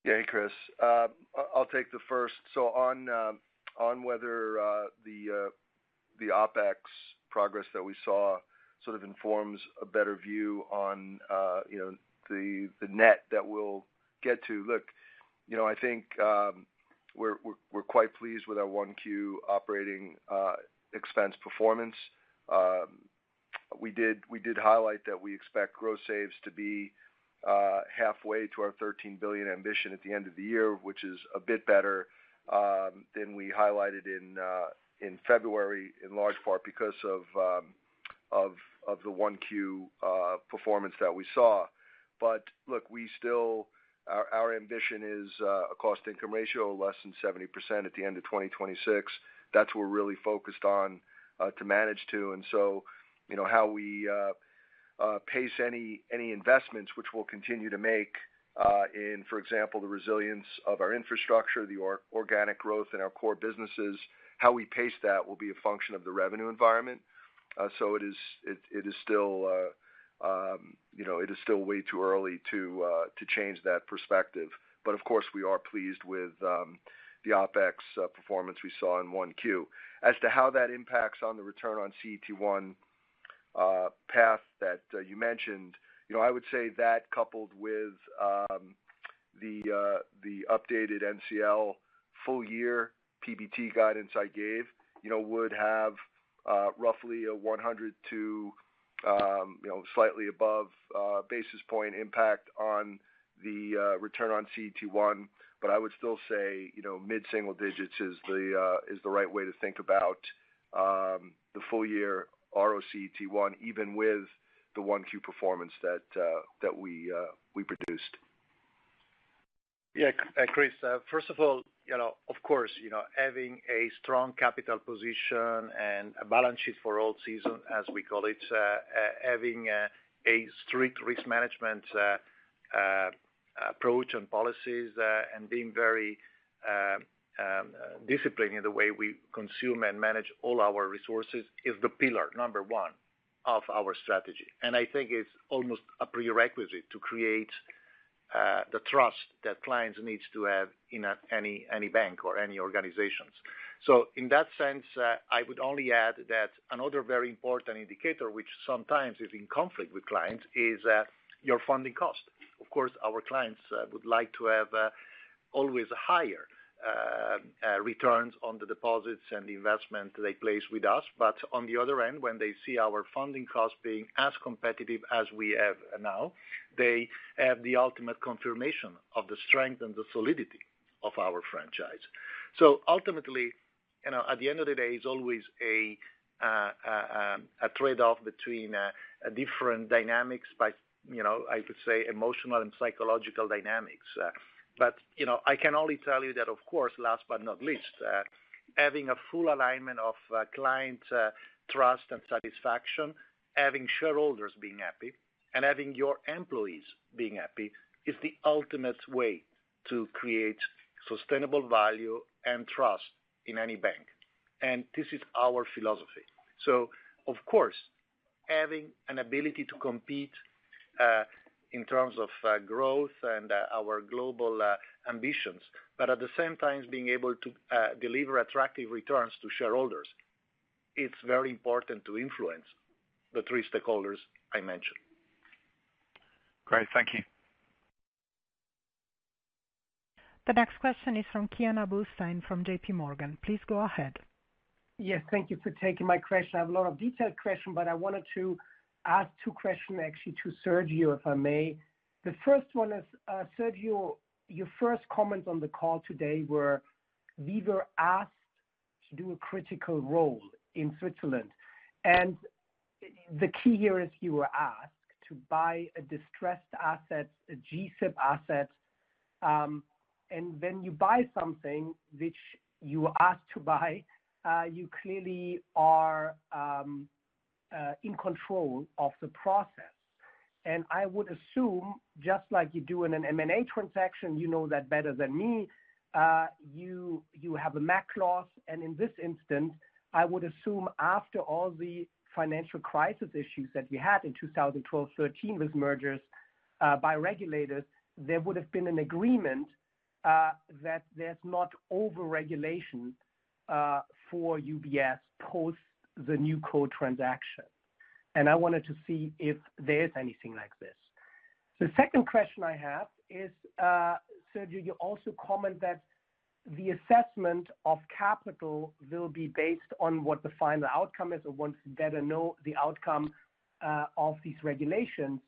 Yeah, Chris, I'll take the first. So on whether the OpEx progress that we saw sort of informs a better view on, you know, the net that we'll get to. Look, you know, I think we're quite pleased with our 1Q operating expense performance. We did highlight that we expect growth saves to be halfway to our $ 13 billion ambition at the end of the year, which is a bit better than we highlighted in February, in large part because of the 1Q performance that we saw. But look, we still. Our ambition is a cost income ratio of less than 70% at the end of 2026. That's what we're really focused on to manage to. So, you know, how we pace any investments which we'll continue to make in, for example, the resilience of our infrastructure, the organic growth in our core businesses, how we pace that will be a function of the revenue environment. So it is still way too early to change that perspective. But of course, we are pleased with the OpEx performance we saw in 1Q. As to how that impacts on the return on CET1 path that you mentioned, you know, I would say that coupled with the updated NCL full-year PBT guidance I gave, you know, would have roughly a 100 to slightly above basis point impact on the return on CET1. I would still say, you know, mid-single digits is the right way to think about the full-year RoCET1, even with the 1Q performance that we produced.
Yeah, Chris, first of all, you know, of course, you know, having a strong capital position and a balance sheet for all seasons, as we call it, having a strict risk management.... approach and policies, and being very, disciplined in the way we consume and manage all our resources, is the pillar number one of our strategy. And I think it's almost a prerequisite to create, the trust that clients needs to have in a, any, any bank or any organizations. So in that sense, I would only add that another very important indicator, which sometimes is in conflict with clients, is, your funding cost. Of course, our clients, would like to have, always higher, returns on the deposits and the investment they place with us. But on the other end, when they see our funding costs being as competitive as we have now, they have the ultimate confirmation of the strength and the solidity of our franchise. So ultimately, you know, at the end of the day, it's always a trade-off between different dynamics by, you know, I could say, emotional and psychological dynamics. But, you know, I can only tell you that, of course, last but not least, having a full alignment of client trust and satisfaction, having shareholders being happy, and having your employees being happy, is the ultimate way to create sustainable value and trust in any bank, and this is our philosophy. So of course, having an ability to compete in terms of growth and our global ambitions, but at the same time, being able to deliver attractive returns to shareholders, it's very important to influence the three stakeholders I mentioned.
Great. Thank you.
The next question is from Kian Abouhossein from JPMorgan. Please go ahead.
Yes, thank you for taking my question. I have a lot of detailed question, but I wanted to ask two question, actually, to Sergio, if I may. The first one is, Sergio, your first comment on the call today were, "We were asked to do a critical role in Switzerland." And the key here is you were asked to buy a distressed asset, a GSIP asset, and when you buy something which you were asked to buy, you clearly are in control of the process. I would assume, just like you do in an M&A transaction, you know that better than me, you have a MAC clause, and in this instance, I would assume after all the financial crisis issues that we had in 2012, 2013, with mergers, by regulators, there would have been an agreement, that there's not overregulation, for UBS post the new code transaction. I wanted to see if there is anything like this. The second question I have is, Sergio, you also comment that the assessment of capital will be based on what the final outcome is, or once you better know the outcome, of these regulations.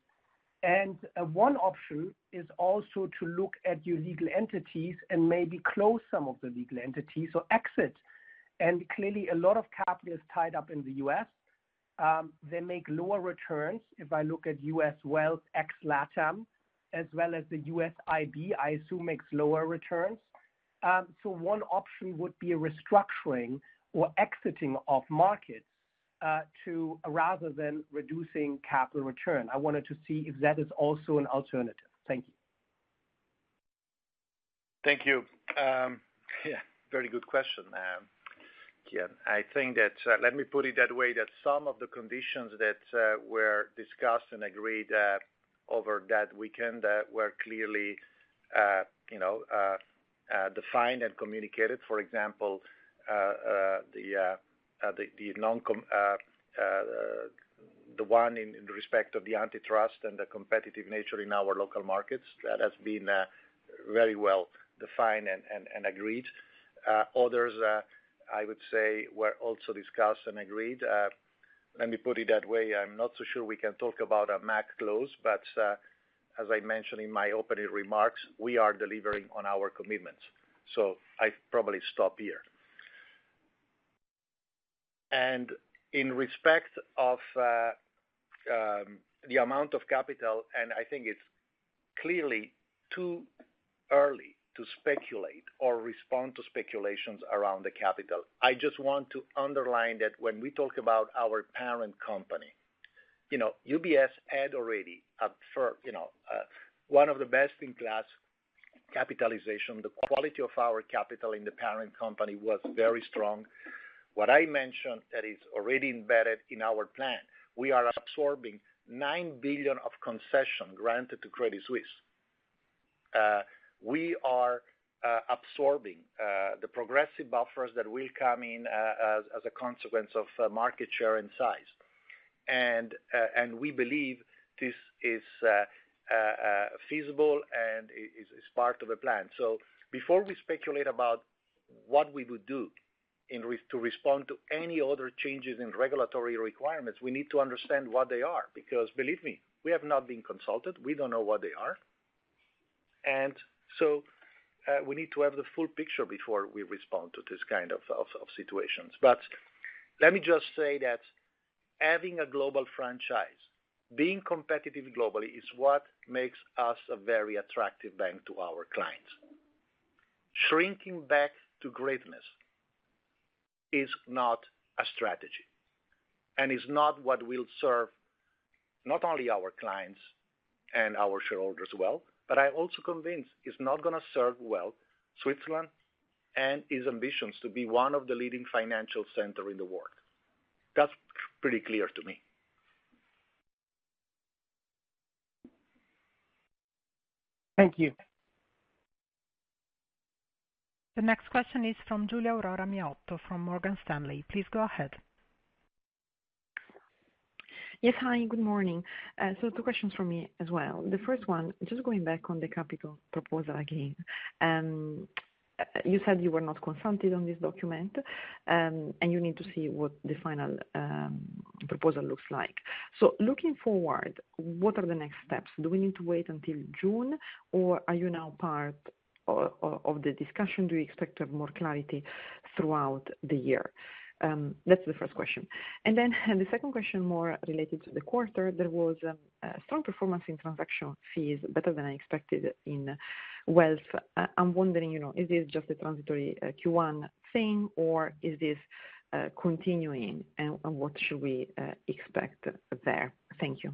One option is also to look at your legal entities and maybe close some of the legal entities, so exit. Clearly, a lot of capital is tied up in the US, they make lower returns. If I look at US Wealth ex-LATAM, as well as the US IB, I assume, makes lower returns. So one option would be a restructuring or exiting of markets, rather than reducing capital return. I wanted to see if that is also an alternative. Thank you.
Thank you. Yeah, very good question, Kian. I think that, let me put it that way, that some of the conditions that were discussed and agreed over that weekend were clearly, you know, defined and communicated. For example, the non-com, the one in respect of the antitrust and the competitive nature in our local markets, that has been very well defined and agreed. Others, I would say, were also discussed and agreed. Let me put it that way, I'm not so sure we can talk about a MAC clause, but as I mentioned in my opening remarks, we are delivering on our commitments. So I probably stop here. And in respect of the amount of capital, and I think it's clearly too early to speculate or respond to speculations around the capital. I just want to underline that when we talk about our parent company, you know, UBS had already a firm, you know, one of the best-in-class capitalization. The quality of our capital in the parent company was very strong. What I mentioned, that is already embedded in our plan, we are absorbing $ 9 billion of concession granted to Credit Suisse. We are absorbing the progressive buffers that will come in, as a consequence of market share and size. And we believe this is feasible and is part of the plan. So before we speculate about what we would do in response to any other changes in regulatory requirements, we need to understand what they are, because believe me, we have not been consulted. We don't know what they are. And so, we need to have the full picture before we respond to this kind of situations. But let me just say that having a global franchise, being competitive globally, is what makes us a very attractive bank to our clients... shrinking back to greatness is not a strategy, and is not what will serve not only our clients and our shareholders well, but I'm also convinced it's not going to serve well Switzerland and its ambitions to be one of the leading financial center in the world. That's pretty clear to me.
Thank you.
The next question is from Giulia Aurora Miotto from Morgan Stanley. Please go ahead.
Yes, hi, good morning. So two questions from me as well. The first one, just going back on the capital proposal again. You said you were not consulted on this document, and you need to see what the final proposal looks like. So looking forward, what are the next steps? Do we need to wait until June, or are you now part of the discussion? Do you expect to have more clarity throughout the year? That's the first question. And then, the second question, more related to the quarter, there was a strong performance in transactional fees, better than I expected in wealth. I'm wondering, you know, is this just a transitory Q1 thing, or is this continuing, and what should we expect there? Thank you.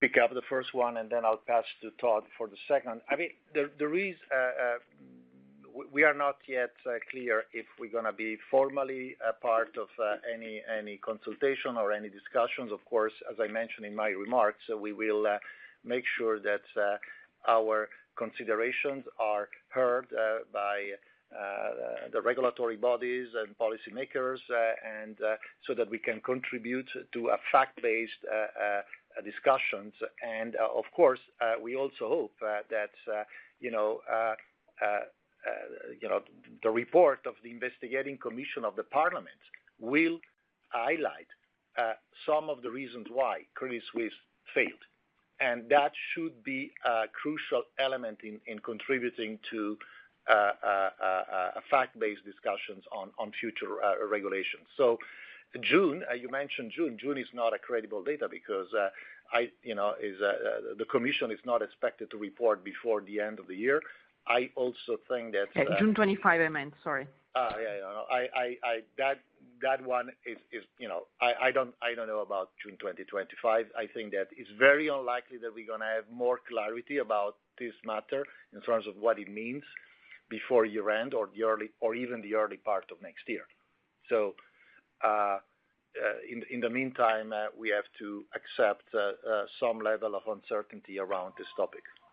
Pick up the first one, and then I'll pass to Todd for the second. I mean, the reason we are not yet clear if we're going to be formally a part of any consultation or any discussions. Of course, as I mentioned in my remarks, we will make sure that our considerations are heard by the regulatory bodies and policy makers, and so that we can contribute to a fact-based discussions. Of course, we also hope that you know the report of the investigating commission of the parliament will highlight some of the reasons why Credit Suisse failed. That should be a crucial element in contributing to a fact-based discussions on future regulations. So June, you mentioned June. June is not a credible data because, I, you know, is, the commission is not expected to report before the end of the year. I also think that,
June 2025, I meant, sorry.
Ah, yeah, yeah. That one is, You know, I don't know about June 2025. I think that it's very unlikely that we're going to have more clarity about this matter in terms of what it means before year-end or even the early part of next year. So, in the meantime, we have to accept some level of uncertainty around this topic.
Yeah.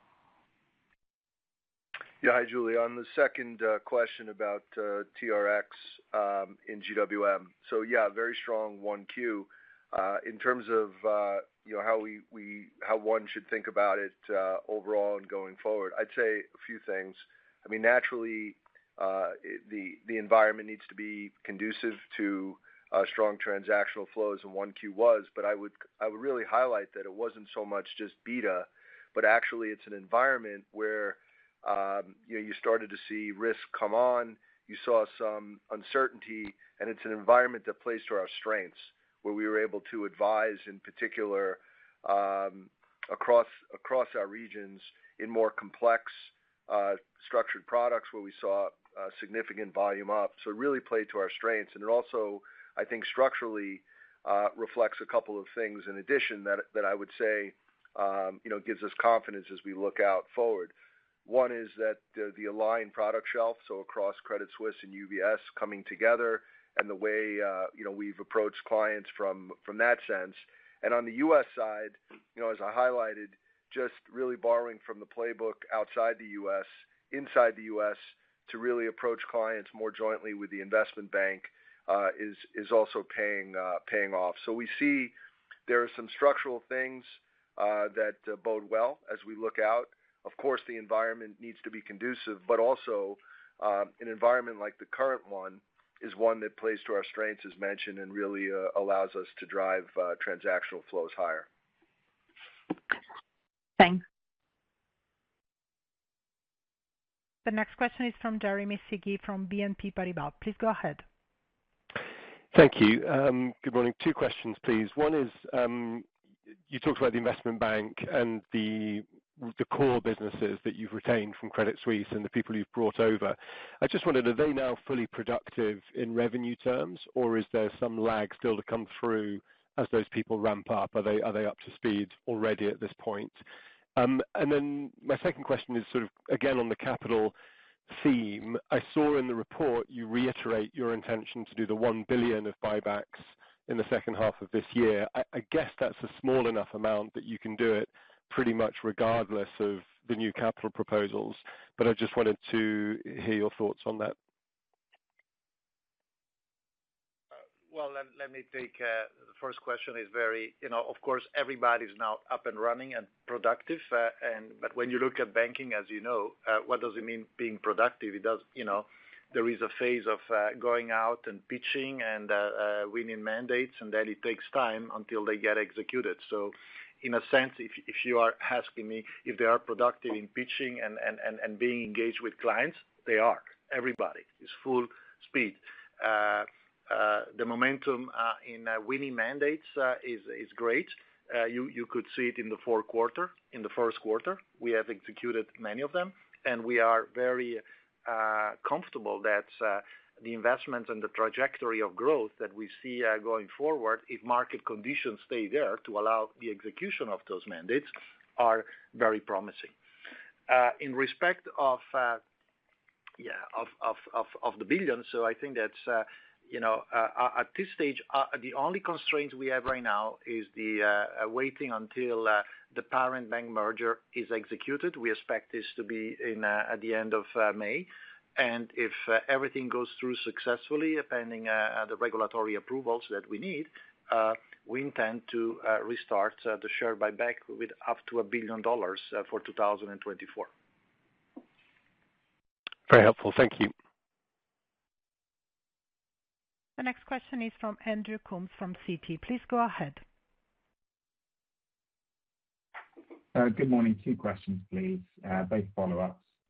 Hi, Giulia. On the second question about TRX in GWM. So yeah, very strong 1Q. In terms of you know, how one should think about it overall and going forward, I'd say a few things. I mean, naturally the environment needs to be conducive to strong transactional flows, and 1Q was, but I would really highlight that it wasn't so much just beta, but actually it's an environment where you know, you started to see risk come on, you saw some uncertainty, and it's an environment that plays to our strengths, where we were able to advise, in particular across our regions in more complex structured products, where we saw a significant volume up. So it really played to our strengths, and it also, I think, structurally, reflects a couple of things in addition that, that I would say, you know, gives us confidence as we look out forward. One is that the, the aligned product shelf, so across Credit Suisse and UBS coming together, and the way, you know, we've approached clients from, from that sense. And on the U.S. side, you know, as I highlighted, just really borrowing from the playbook outside the U.S., inside the U.S., to really approach clients more jointly with the investment bank, is, is also paying, paying off. So we see there are some structural things, that, bode well as we look out. Of course, the environment needs to be conducive, but also, an environment like the current one is one that plays to our strengths, as mentioned, and really, allows us to drive, transactional flows higher.
Thanks.
The next question is from Jeremy Sigee, from BNP Paribas. Please go ahead.
Thank you. Good morning. Two questions, please. One is, you talked about the investment bank and the, the core businesses that you've retained from Credit Suisse and the people you've brought over. I just wondered, are they now fully productive in revenue terms, or is there some lag still to come through as those people ramp up? Are they, are they up to speed already at this point? And then my second question is sort of again, on the capital theme. I saw in the report you reiterate your intention to do the $ 1 billion of buybacks in the second half of this year. I guess that's a small enough amount that you can do it pretty much regardless of the new capital proposals, but I just wanted to hear your thoughts on that.
Well, let me take the first question is very, you know, of course, everybody's now up and running and productive, and but when you look at banking, as you know, what does it mean being productive? It does you know, there is a phase of going out and pitching and winning mandates, and then it takes time until they get executed. So in a sense, if you are asking me if they are productive in pitching and being engaged with clients, they are. Everybody is full speed. The momentum in winning mandates is great. You could see it in the fourth quarter. In the first quarter, we have executed many of them, and we are very comfortable that the investment and the trajectory of growth that we see going forward, if market conditions stay there to allow the execution of those mandates, are very promising. In respect of the billions, so I think that, you know, at this stage, the only constraint we have right now is waiting until the parent bank merger is executed. We expect this to be at the end of May. And if everything goes through successfully, pending the regulatory approvals that we need, we intend to restart the share buyback with up to $1 billion for 2024.
Very helpful. Thank you.
The next question is from Andrew Coombs from Citi. Please go ahead.
Good morning. Two questions, please, both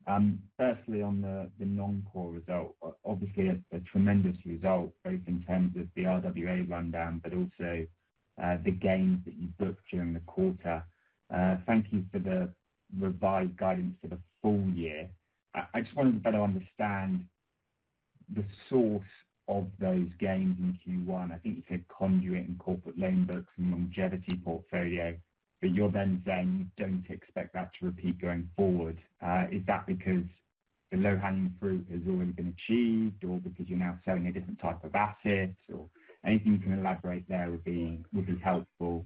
follow-ups. Firstly, on the Non-Core result, obviously a tremendous result, both in terms of the RWA rundown, but also the gains that you booked during the quarter. Thank you for the revised guidance for the full-year. I just wanted to better understand the source of those gains in Q1. I think you said Conduit and corporate loan books and longevity portfolio, but you're then saying you don't expect that to repeat going forward. Is that because the low-hanging fruit has already been achieved, or because you're now selling a different type of asset? Or anything you can elaborate there would be helpful.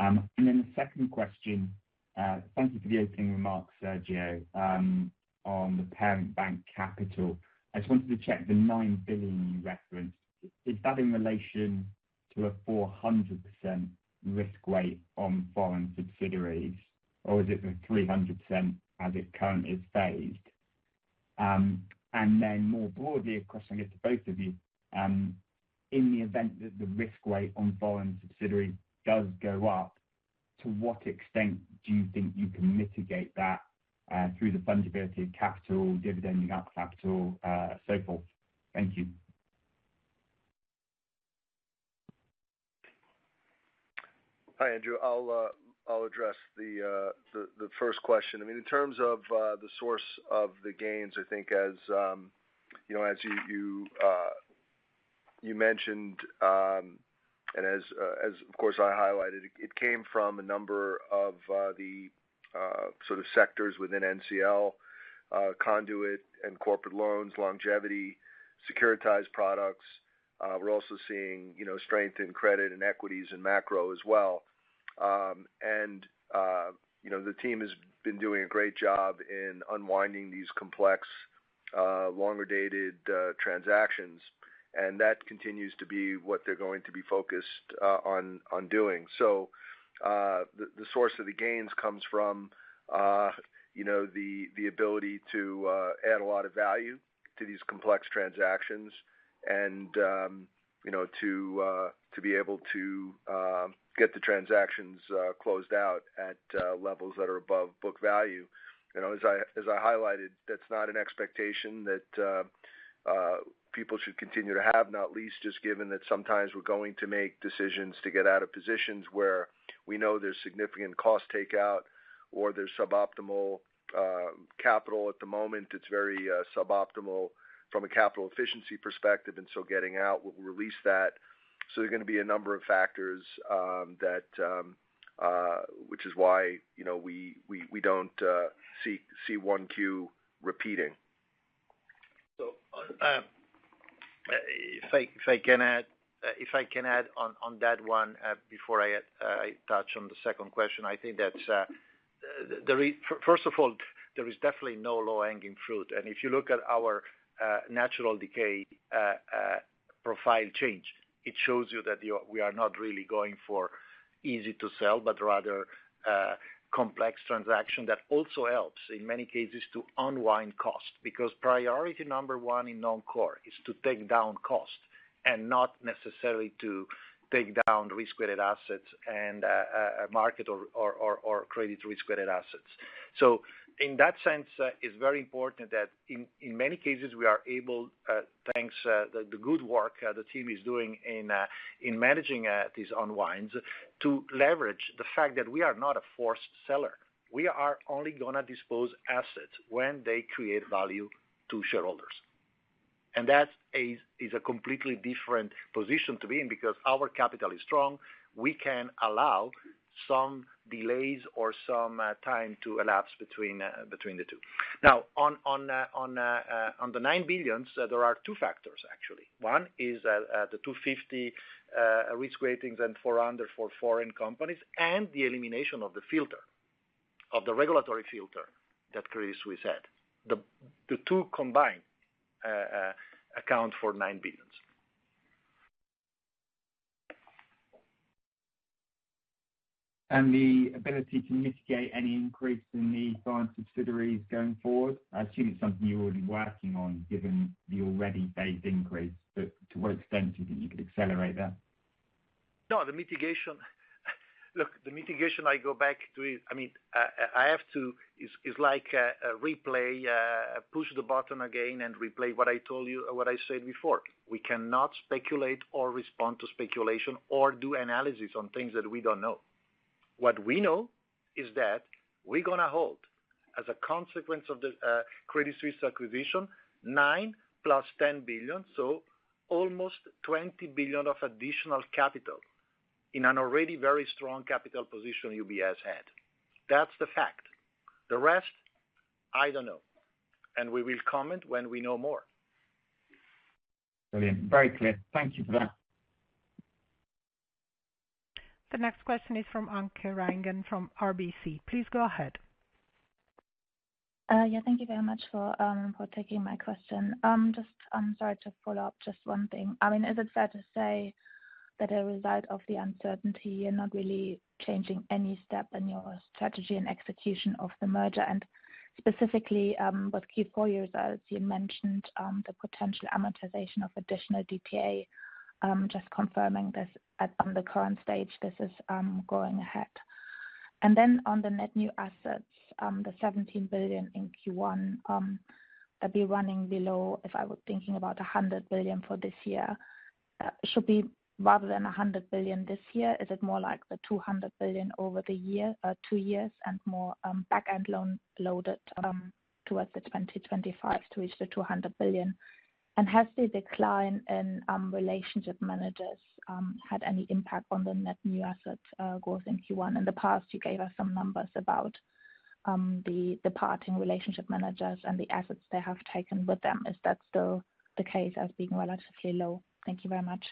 And then the second question, thank you for the opening remarks, Sergio. On the parent bank capital, I just wanted to check the $ 9 billion you referenced. Is that in relation to a 400% risk weight on foreign subsidiaries, or is it the 300% as it currently is phased? And then more broadly, a question I guess to both of you, in the event that the risk weight on foreign subsidiaries does go up, to what extent do you think you can mitigate that, through the fungibility of capital, dividend out capital, so forth? Thank you.
Hi, Andrew. I'll address the first question. I mean, in terms of the source of the gains, I think as you know, as you mentioned, and as of course I highlighted, it came from a number of the sort of sectors within NCL, Conduit and corporate loans, longevity, securitized products. We're also seeing, you know, strength in credit and equities and macro as well. And the team has been doing a great job in unwinding these complex longer-dated transactions, and that continues to be what they're going to be focused on doing. So, the source of the gains comes from, you know, the ability to add a lot of value to these complex transactions and, you know, to be able to get the transactions closed out at levels that are above book value. You know, as I highlighted, that's not an expectation that people should continue to have, not least, just given that sometimes we're going to make decisions to get out of positions where we know there's significant cost takeout or there's suboptimal capital. At the moment, it's very suboptimal from a capital efficiency perspective, and so getting out will release that. So there are going to be a number of factors which is why, you know, we don't see one Q repeating.
So, if I can add on to that one, before I touch on the second question, I think that first of all, there is definitely no low-hanging fruit. And if you look at our natural decay profile change, it shows you that we are not really going for easy to sell, but rather complex transaction. That also helps, in many cases, to unwind cost, because priority number one in non-core is to take down cost and not necessarily to take down risk-weighted assets and market or credit risk-weighted assets. So in that sense, it's very important that in many cases, we are able, thanks to the good work the team is doing in managing these unwinds, to leverage the fact that we are not a forced seller. We are only gonna dispose assets when they create value to shareholders. And that's a completely different position to be in because our capital is strong, we can allow some delays or some time to elapse between the two. Now, on the $9 billion, there are two factors, actually. One is the 250 risk ratings and 400 for foreign companies, and the elimination of the filter, of the regulatory filter that Credit Suisse had. The two combined account for $9 billion.
The ability to mitigate any increase in the foreign subsidiaries going forward, I assume it's something you're already working on, given the already phased increase, but to what extent do you think you could accelerate that?
No, the mitigation, look, the mitigation I go back to is, I mean, I have to, is, is like, a replay, push the button again and replay what I told you or what I said before. We cannot speculate or respond to speculation or do analysis on things that we don't know. What we know is that we're gonna hold, as a consequence of the, Credit Suisse acquisition, $ 9 billion plus $10 billion, so almost $ 20 billion of additional capital in an already very strong capital position UBS had. That's the fact. The rest, I don't know, and we will comment when we know more.
Brilliant. Very clear. Thank you for that.
The next question is from Anke Reingen from RBC. Please go ahead.
Yeah, thank you very much for taking my question. Just, I'm sorry, to follow up, just one thing. I mean, is it fair to say that a result of the uncertainty, you're not really changing any step in your strategy and execution of the merger? And specifically, with Q4 results, you mentioned the potential amortization of additional DTA. Just confirming this at, on the current stage, this is going ahead. And then on the net new assets, the $ 17 billion in Q1, that'd be running below, if I were thinking about $ 100 billion for this year, should be rather than $ 100 billion this year, is it more like the $ 200 billion over the year, two years, and more back-end loan loaded towards 2025 to reach the $ 200 billion? Has the decline in relationship managers had any impact on the net new asset growth in Q1? In the past, you gave us some numbers about the departing relationship managers and the assets they have taken with them. Is that still the case as being relatively low? Thank you very much.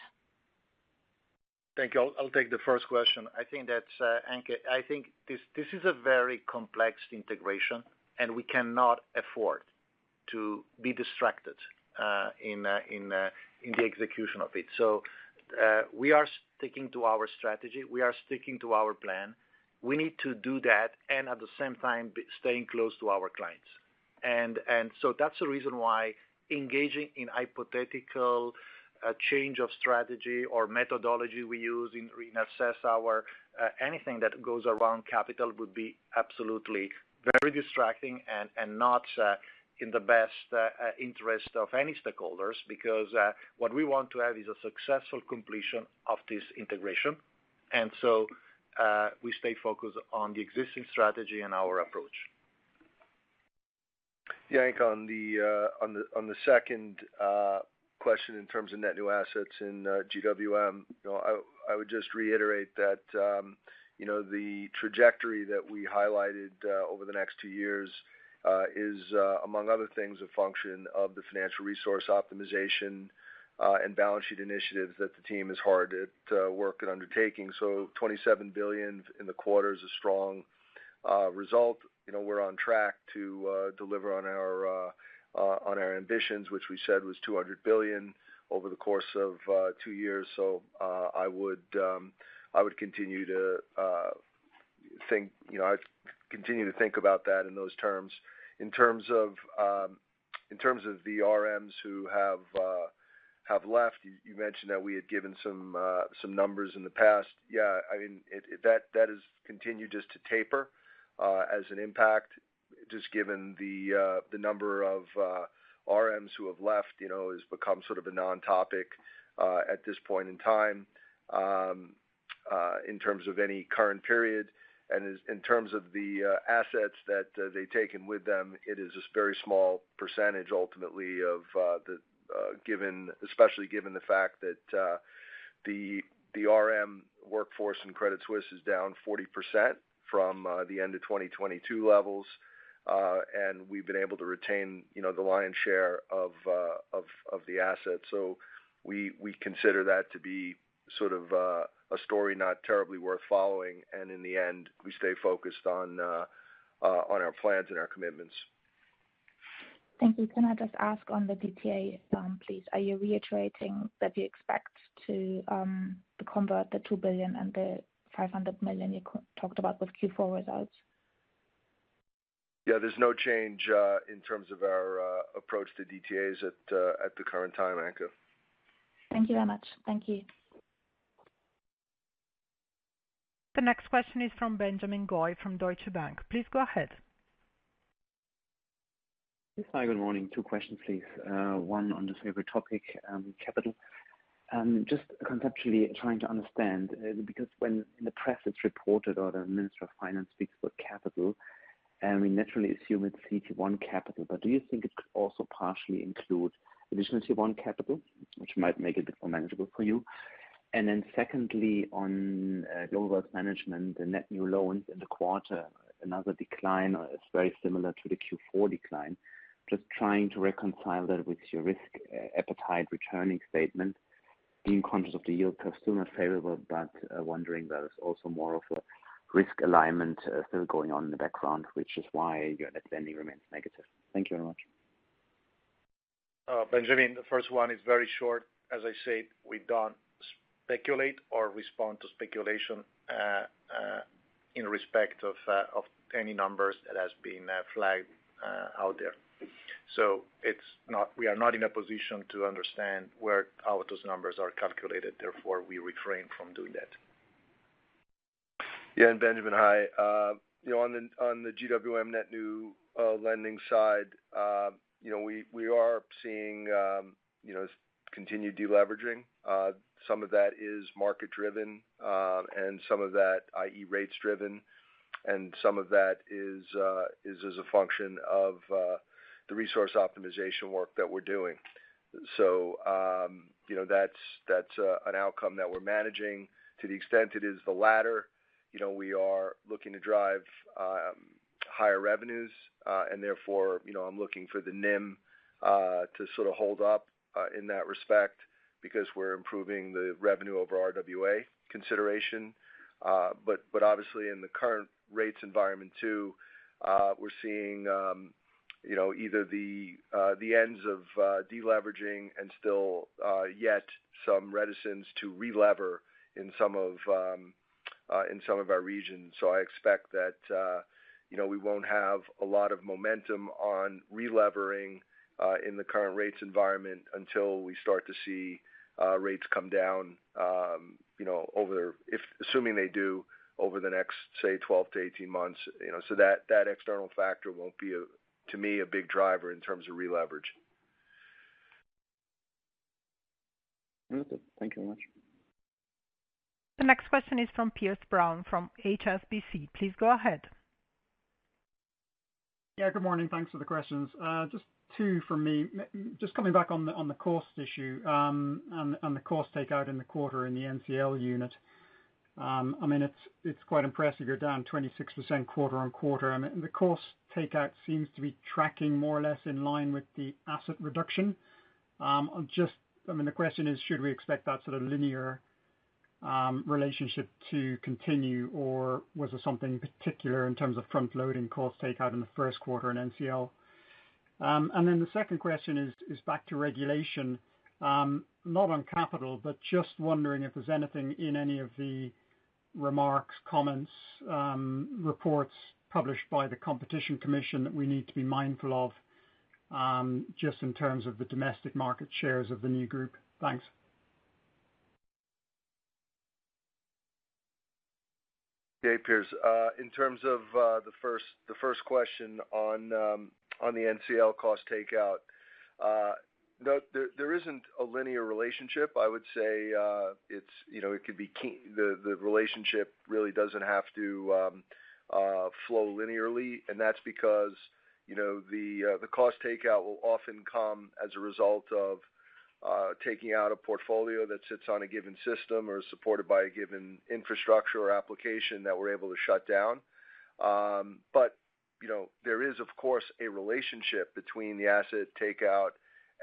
Thank you. I'll take the first question. I think that, Anke, I think this is a very complex integration, and we cannot afford to be distracted in the execution of it. So, we are sticking to our strategy, we are sticking to our plan. We need to do that, and at the same time, be staying close to our clients. And so that's the reason why engaging in hypothetical change of strategy or methodology we use in reassess our anything that goes around capital would be absolutely very distracting and not in the best interest of any stakeholders. Because what we want to have is a successful completion of this integration, and so we stay focused on the existing strategy and our approach.
Yeah, Anke, on the second question in terms of net new assets in GWM, you know, I would just reiterate that, you know, the trajectory that we highlighted over the next two years is, among other things, a function of the financial resource optimization and balance sheet initiatives that the team is hard at work at undertaking. So $ 27 billion in the quarter is a strong result. You know, we're on track to deliver on our ambitions, which we said was $ 200 billion over the course of two years. So, I would continue to think, You know, I'd continue to think about that in those terms. In terms of, in terms of the RMs who have left, you mentioned that we had given some numbers in the past. Yeah, I mean, that has continued just to taper as an impact, just given the number of RMs who have left, you know, has become sort of a non-topic at this point in time, in terms of any current period. And as in terms of the assets that they've taken with them, it is a very small percentage ultimately of the given, especially given the fact that the RM workforce in Credit Suisse is down 40% from the end of 2022 levels. And we've been able to retain, you know, the lion's share of the assets. So we consider that to be sort of a story not terribly worth following, and in the end, we stay focused on our plans and our commitments.
Thank you. Can I just ask on the DTA, please? Are you reiterating that you expect to convert the $ 2 billion and the $ 500 million you talked about with Q4 results?
Yeah, there's no change in terms of our approach to DTAs at the current time, Anke.
Thank you very much. Thank you.
The next question is from Benjamin Goy from Deutsche Bank. Please go ahead.
Hi, good morning. Two questions, please. One on the favorite topic, capital. Just conceptually trying to understand, because when in the press it's reported or the Minister of Finance speaks about capital, and we naturally assume it's CET1 capital, but do you think it could also partially include additional tier-one capital, which might make it a bit more manageable for you? And then secondly, on global management, the net new loans in the quarter, another decline, it's very similar to the Q4 decline. Just trying to reconcile that with your risk appetite returning statement, being conscious of the yield curve, still not favorable, but wondering whether it's also more of a risk alignment, still going on in the background, which is why your net spending remains negative. Thank you very much.
Benjamin, the first one is very short. As I said, we don't speculate or respond to speculation in respect of any numbers that has been flagged out there. So we are not in a position to understand where, how those numbers are calculated, therefore, we refrain from doing that.
Yeah, and Benjamin, hi. You know, on the, on the GWM net new lending side, you know, we are seeing, you know, continued deleveraging. Some of that is market-driven, and some of that, i.e., rates-driven, and some of that is as a function of the resource optimization work that we're doing. So, you know, that's an outcome that we're managing. To the extent it is the latter, you know, we are looking to drive higher revenues, and therefore, you know, I'm looking for the NIM to sort of hold up in that respect, because we're improving the revenue over RWA consideration. But, but obviously in the current rates environment, too, we're seeing, you know, either the, the ends of, deleveraging and still, yet some reticence to relever in some of, in some of our regions. So I expect that, you know, we won't have a lot of momentum on relevering, in the current rates environment until we start to see, rates come down, you know, over, assuming they do, over the next, say, 12-18 months, you know. So that, that external factor won't be a, to me, a big driver in terms of releverage.
Thank you very much.
The next question is from Piers Brown from HSBC. Please go ahead.
Yeah, good morning. Thanks for the questions. Just two from me. Just coming back on the, on the cost issue, and, and the cost takeout in the quarter in the NCL unit. I mean, it's, it's quite impressive, you're down 26% quarter-on-quarter. I mean, and the cost takeout seems to be tracking more or less in line with the asset reduction. Just, I mean, the question is, should we expect that sort of linear, relationship to continue, or was there something particular in terms of front-loading cost takeout in the first quarter in NCL? And then the second question is, is back to regulation, not on capital, but just wondering if there's anything in any of the remarks, comments, reports published by the Competition Commission that we need to be mindful of, just in terms of the domestic market shares of the new group? Thanks.
Yeah, Piers, in terms of the first question on the NCL cost takeout, no, there isn't a linear relationship. I would say, you know, it could be the relationship really doesn't have to flow linearly, and that's because, you know, the cost takeout will often come as a result of taking out a portfolio that sits on a given system or is supported by a given infrastructure or application that we're able to shut down. But, you know, there is, of course, a relationship between the asset takeout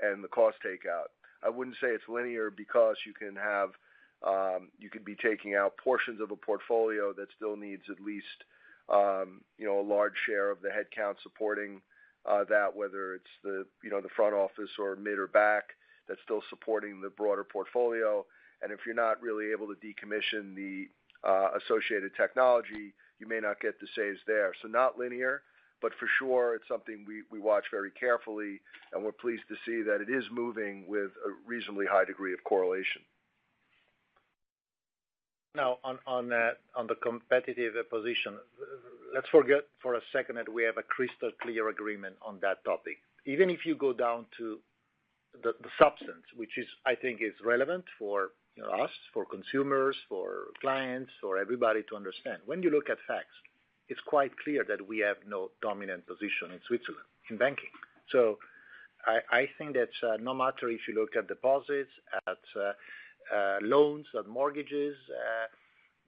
and the cost takeout. I wouldn't say it's linear, because you can have, you could be taking out portions of a portfolio that still needs at least, you know, a large share of the headcount supporting, that, whether it's the, you know, the front office or mid or back, that's still supporting the broader portfolio. And if you're not really able to decommission the, associated technology, you may not get the saves there. So not linear, but for sure it's something we watch very carefully, and we're pleased to see that it is moving with a reasonably high degree of correlation.
Now, on the competitive position, let's forget for a second that we have a crystal clear agreement on that topic. Even if you go down to the substance, which, I think, is relevant for, you know, us, for consumers, for clients, for everybody to understand. When you look at facts, it's quite clear that we have no dominant position in Switzerland, in banking. So I think that no matter if you look at deposits, loans and mortgages,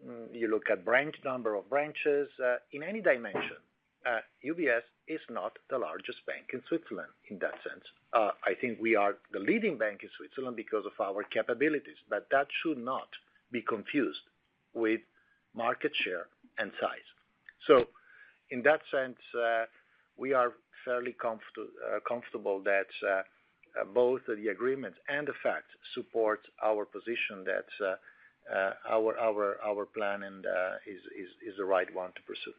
the number of branches, in any dimension, UBS is not the largest bank in Switzerland in that sense. I think we are the leading bank in Switzerland because of our capabilities, but that should not be confused with market share and size. So in that sense, we are fairly comfortable that both the agreements and the facts support our position that our plan is the right one to pursue.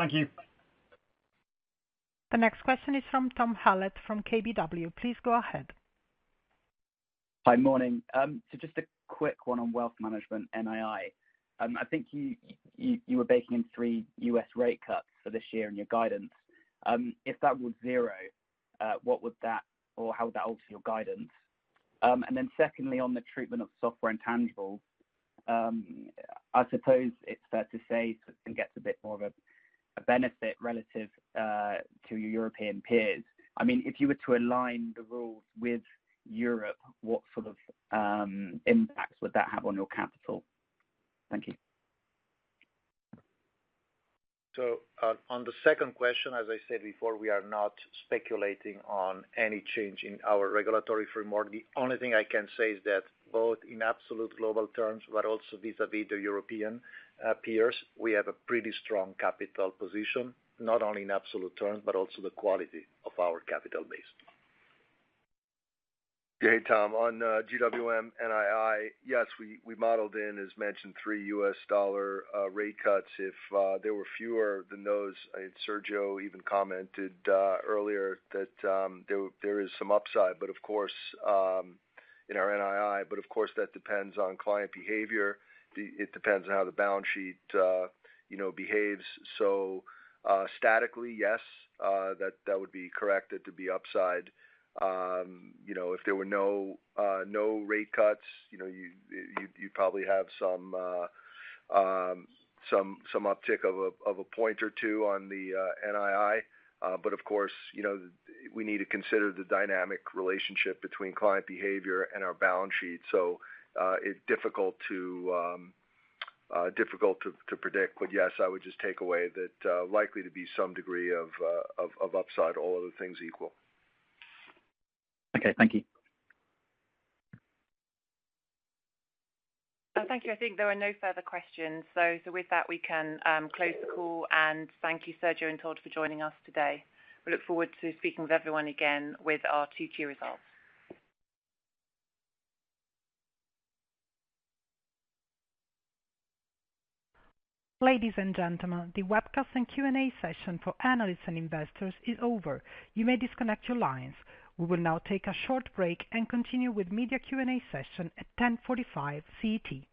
Thank you.
The next question is from Tom Hallett from KBW. Please go ahead.
Hi, morning. So just a quick one on wealth management NII. I think you, you, you were baking in $3 rate cuts for this year in your guidance. If that were zero, what would that or how would that alter your guidance? And then secondly, on the treatment of software intangible, I suppose it's fair to say, sort of gets a bit more of a, a benefit relative, to your European peers. I mean, if you were to align the rules with Europe, what sort of, impacts would that have on your capital? Thank you.
So, on the second question, as I said before, we are not speculating on any change in our regulatory framework. The only thing I can say is that both in absolute global terms, but also vis-à-vis the European, peers, we have a pretty strong capital position, not only in absolute terms, but also the quality of our capital base.
Yeah, Tom, on GWM NII, yes, we modeled in, as mentioned, $3 rate cuts. If there were fewer than those, Sergio even commented earlier, that there is some upside, but of course, in our NII, but of course, that depends on client behavior. It depends on how the balance sheet, you know, behaves. So, statically, yes, that would be correct. It could be upside. You know, if there were no rate cuts, you know, you you'd probably have some uptick of a point or two on the NII. But of course, you know, we need to consider the dynamic relationship between client behavior and our balance sheet. So, it's difficult to predict. But yes, I would just take away that likely to be some degree of upside, all other things equal.
Okay, thank you.
Thank you. I think there are no further questions. So with that, we can close the call, and thank you, Sergio and Todd, for joining us today. We look forward to speaking with everyone again with our 2Q results.
Ladies and gentlemen, the webcast and Q&A session for analysts and investors is over. You may disconnect your lines. We will now take a short break and continue with media Q&A session at 10:45 CET.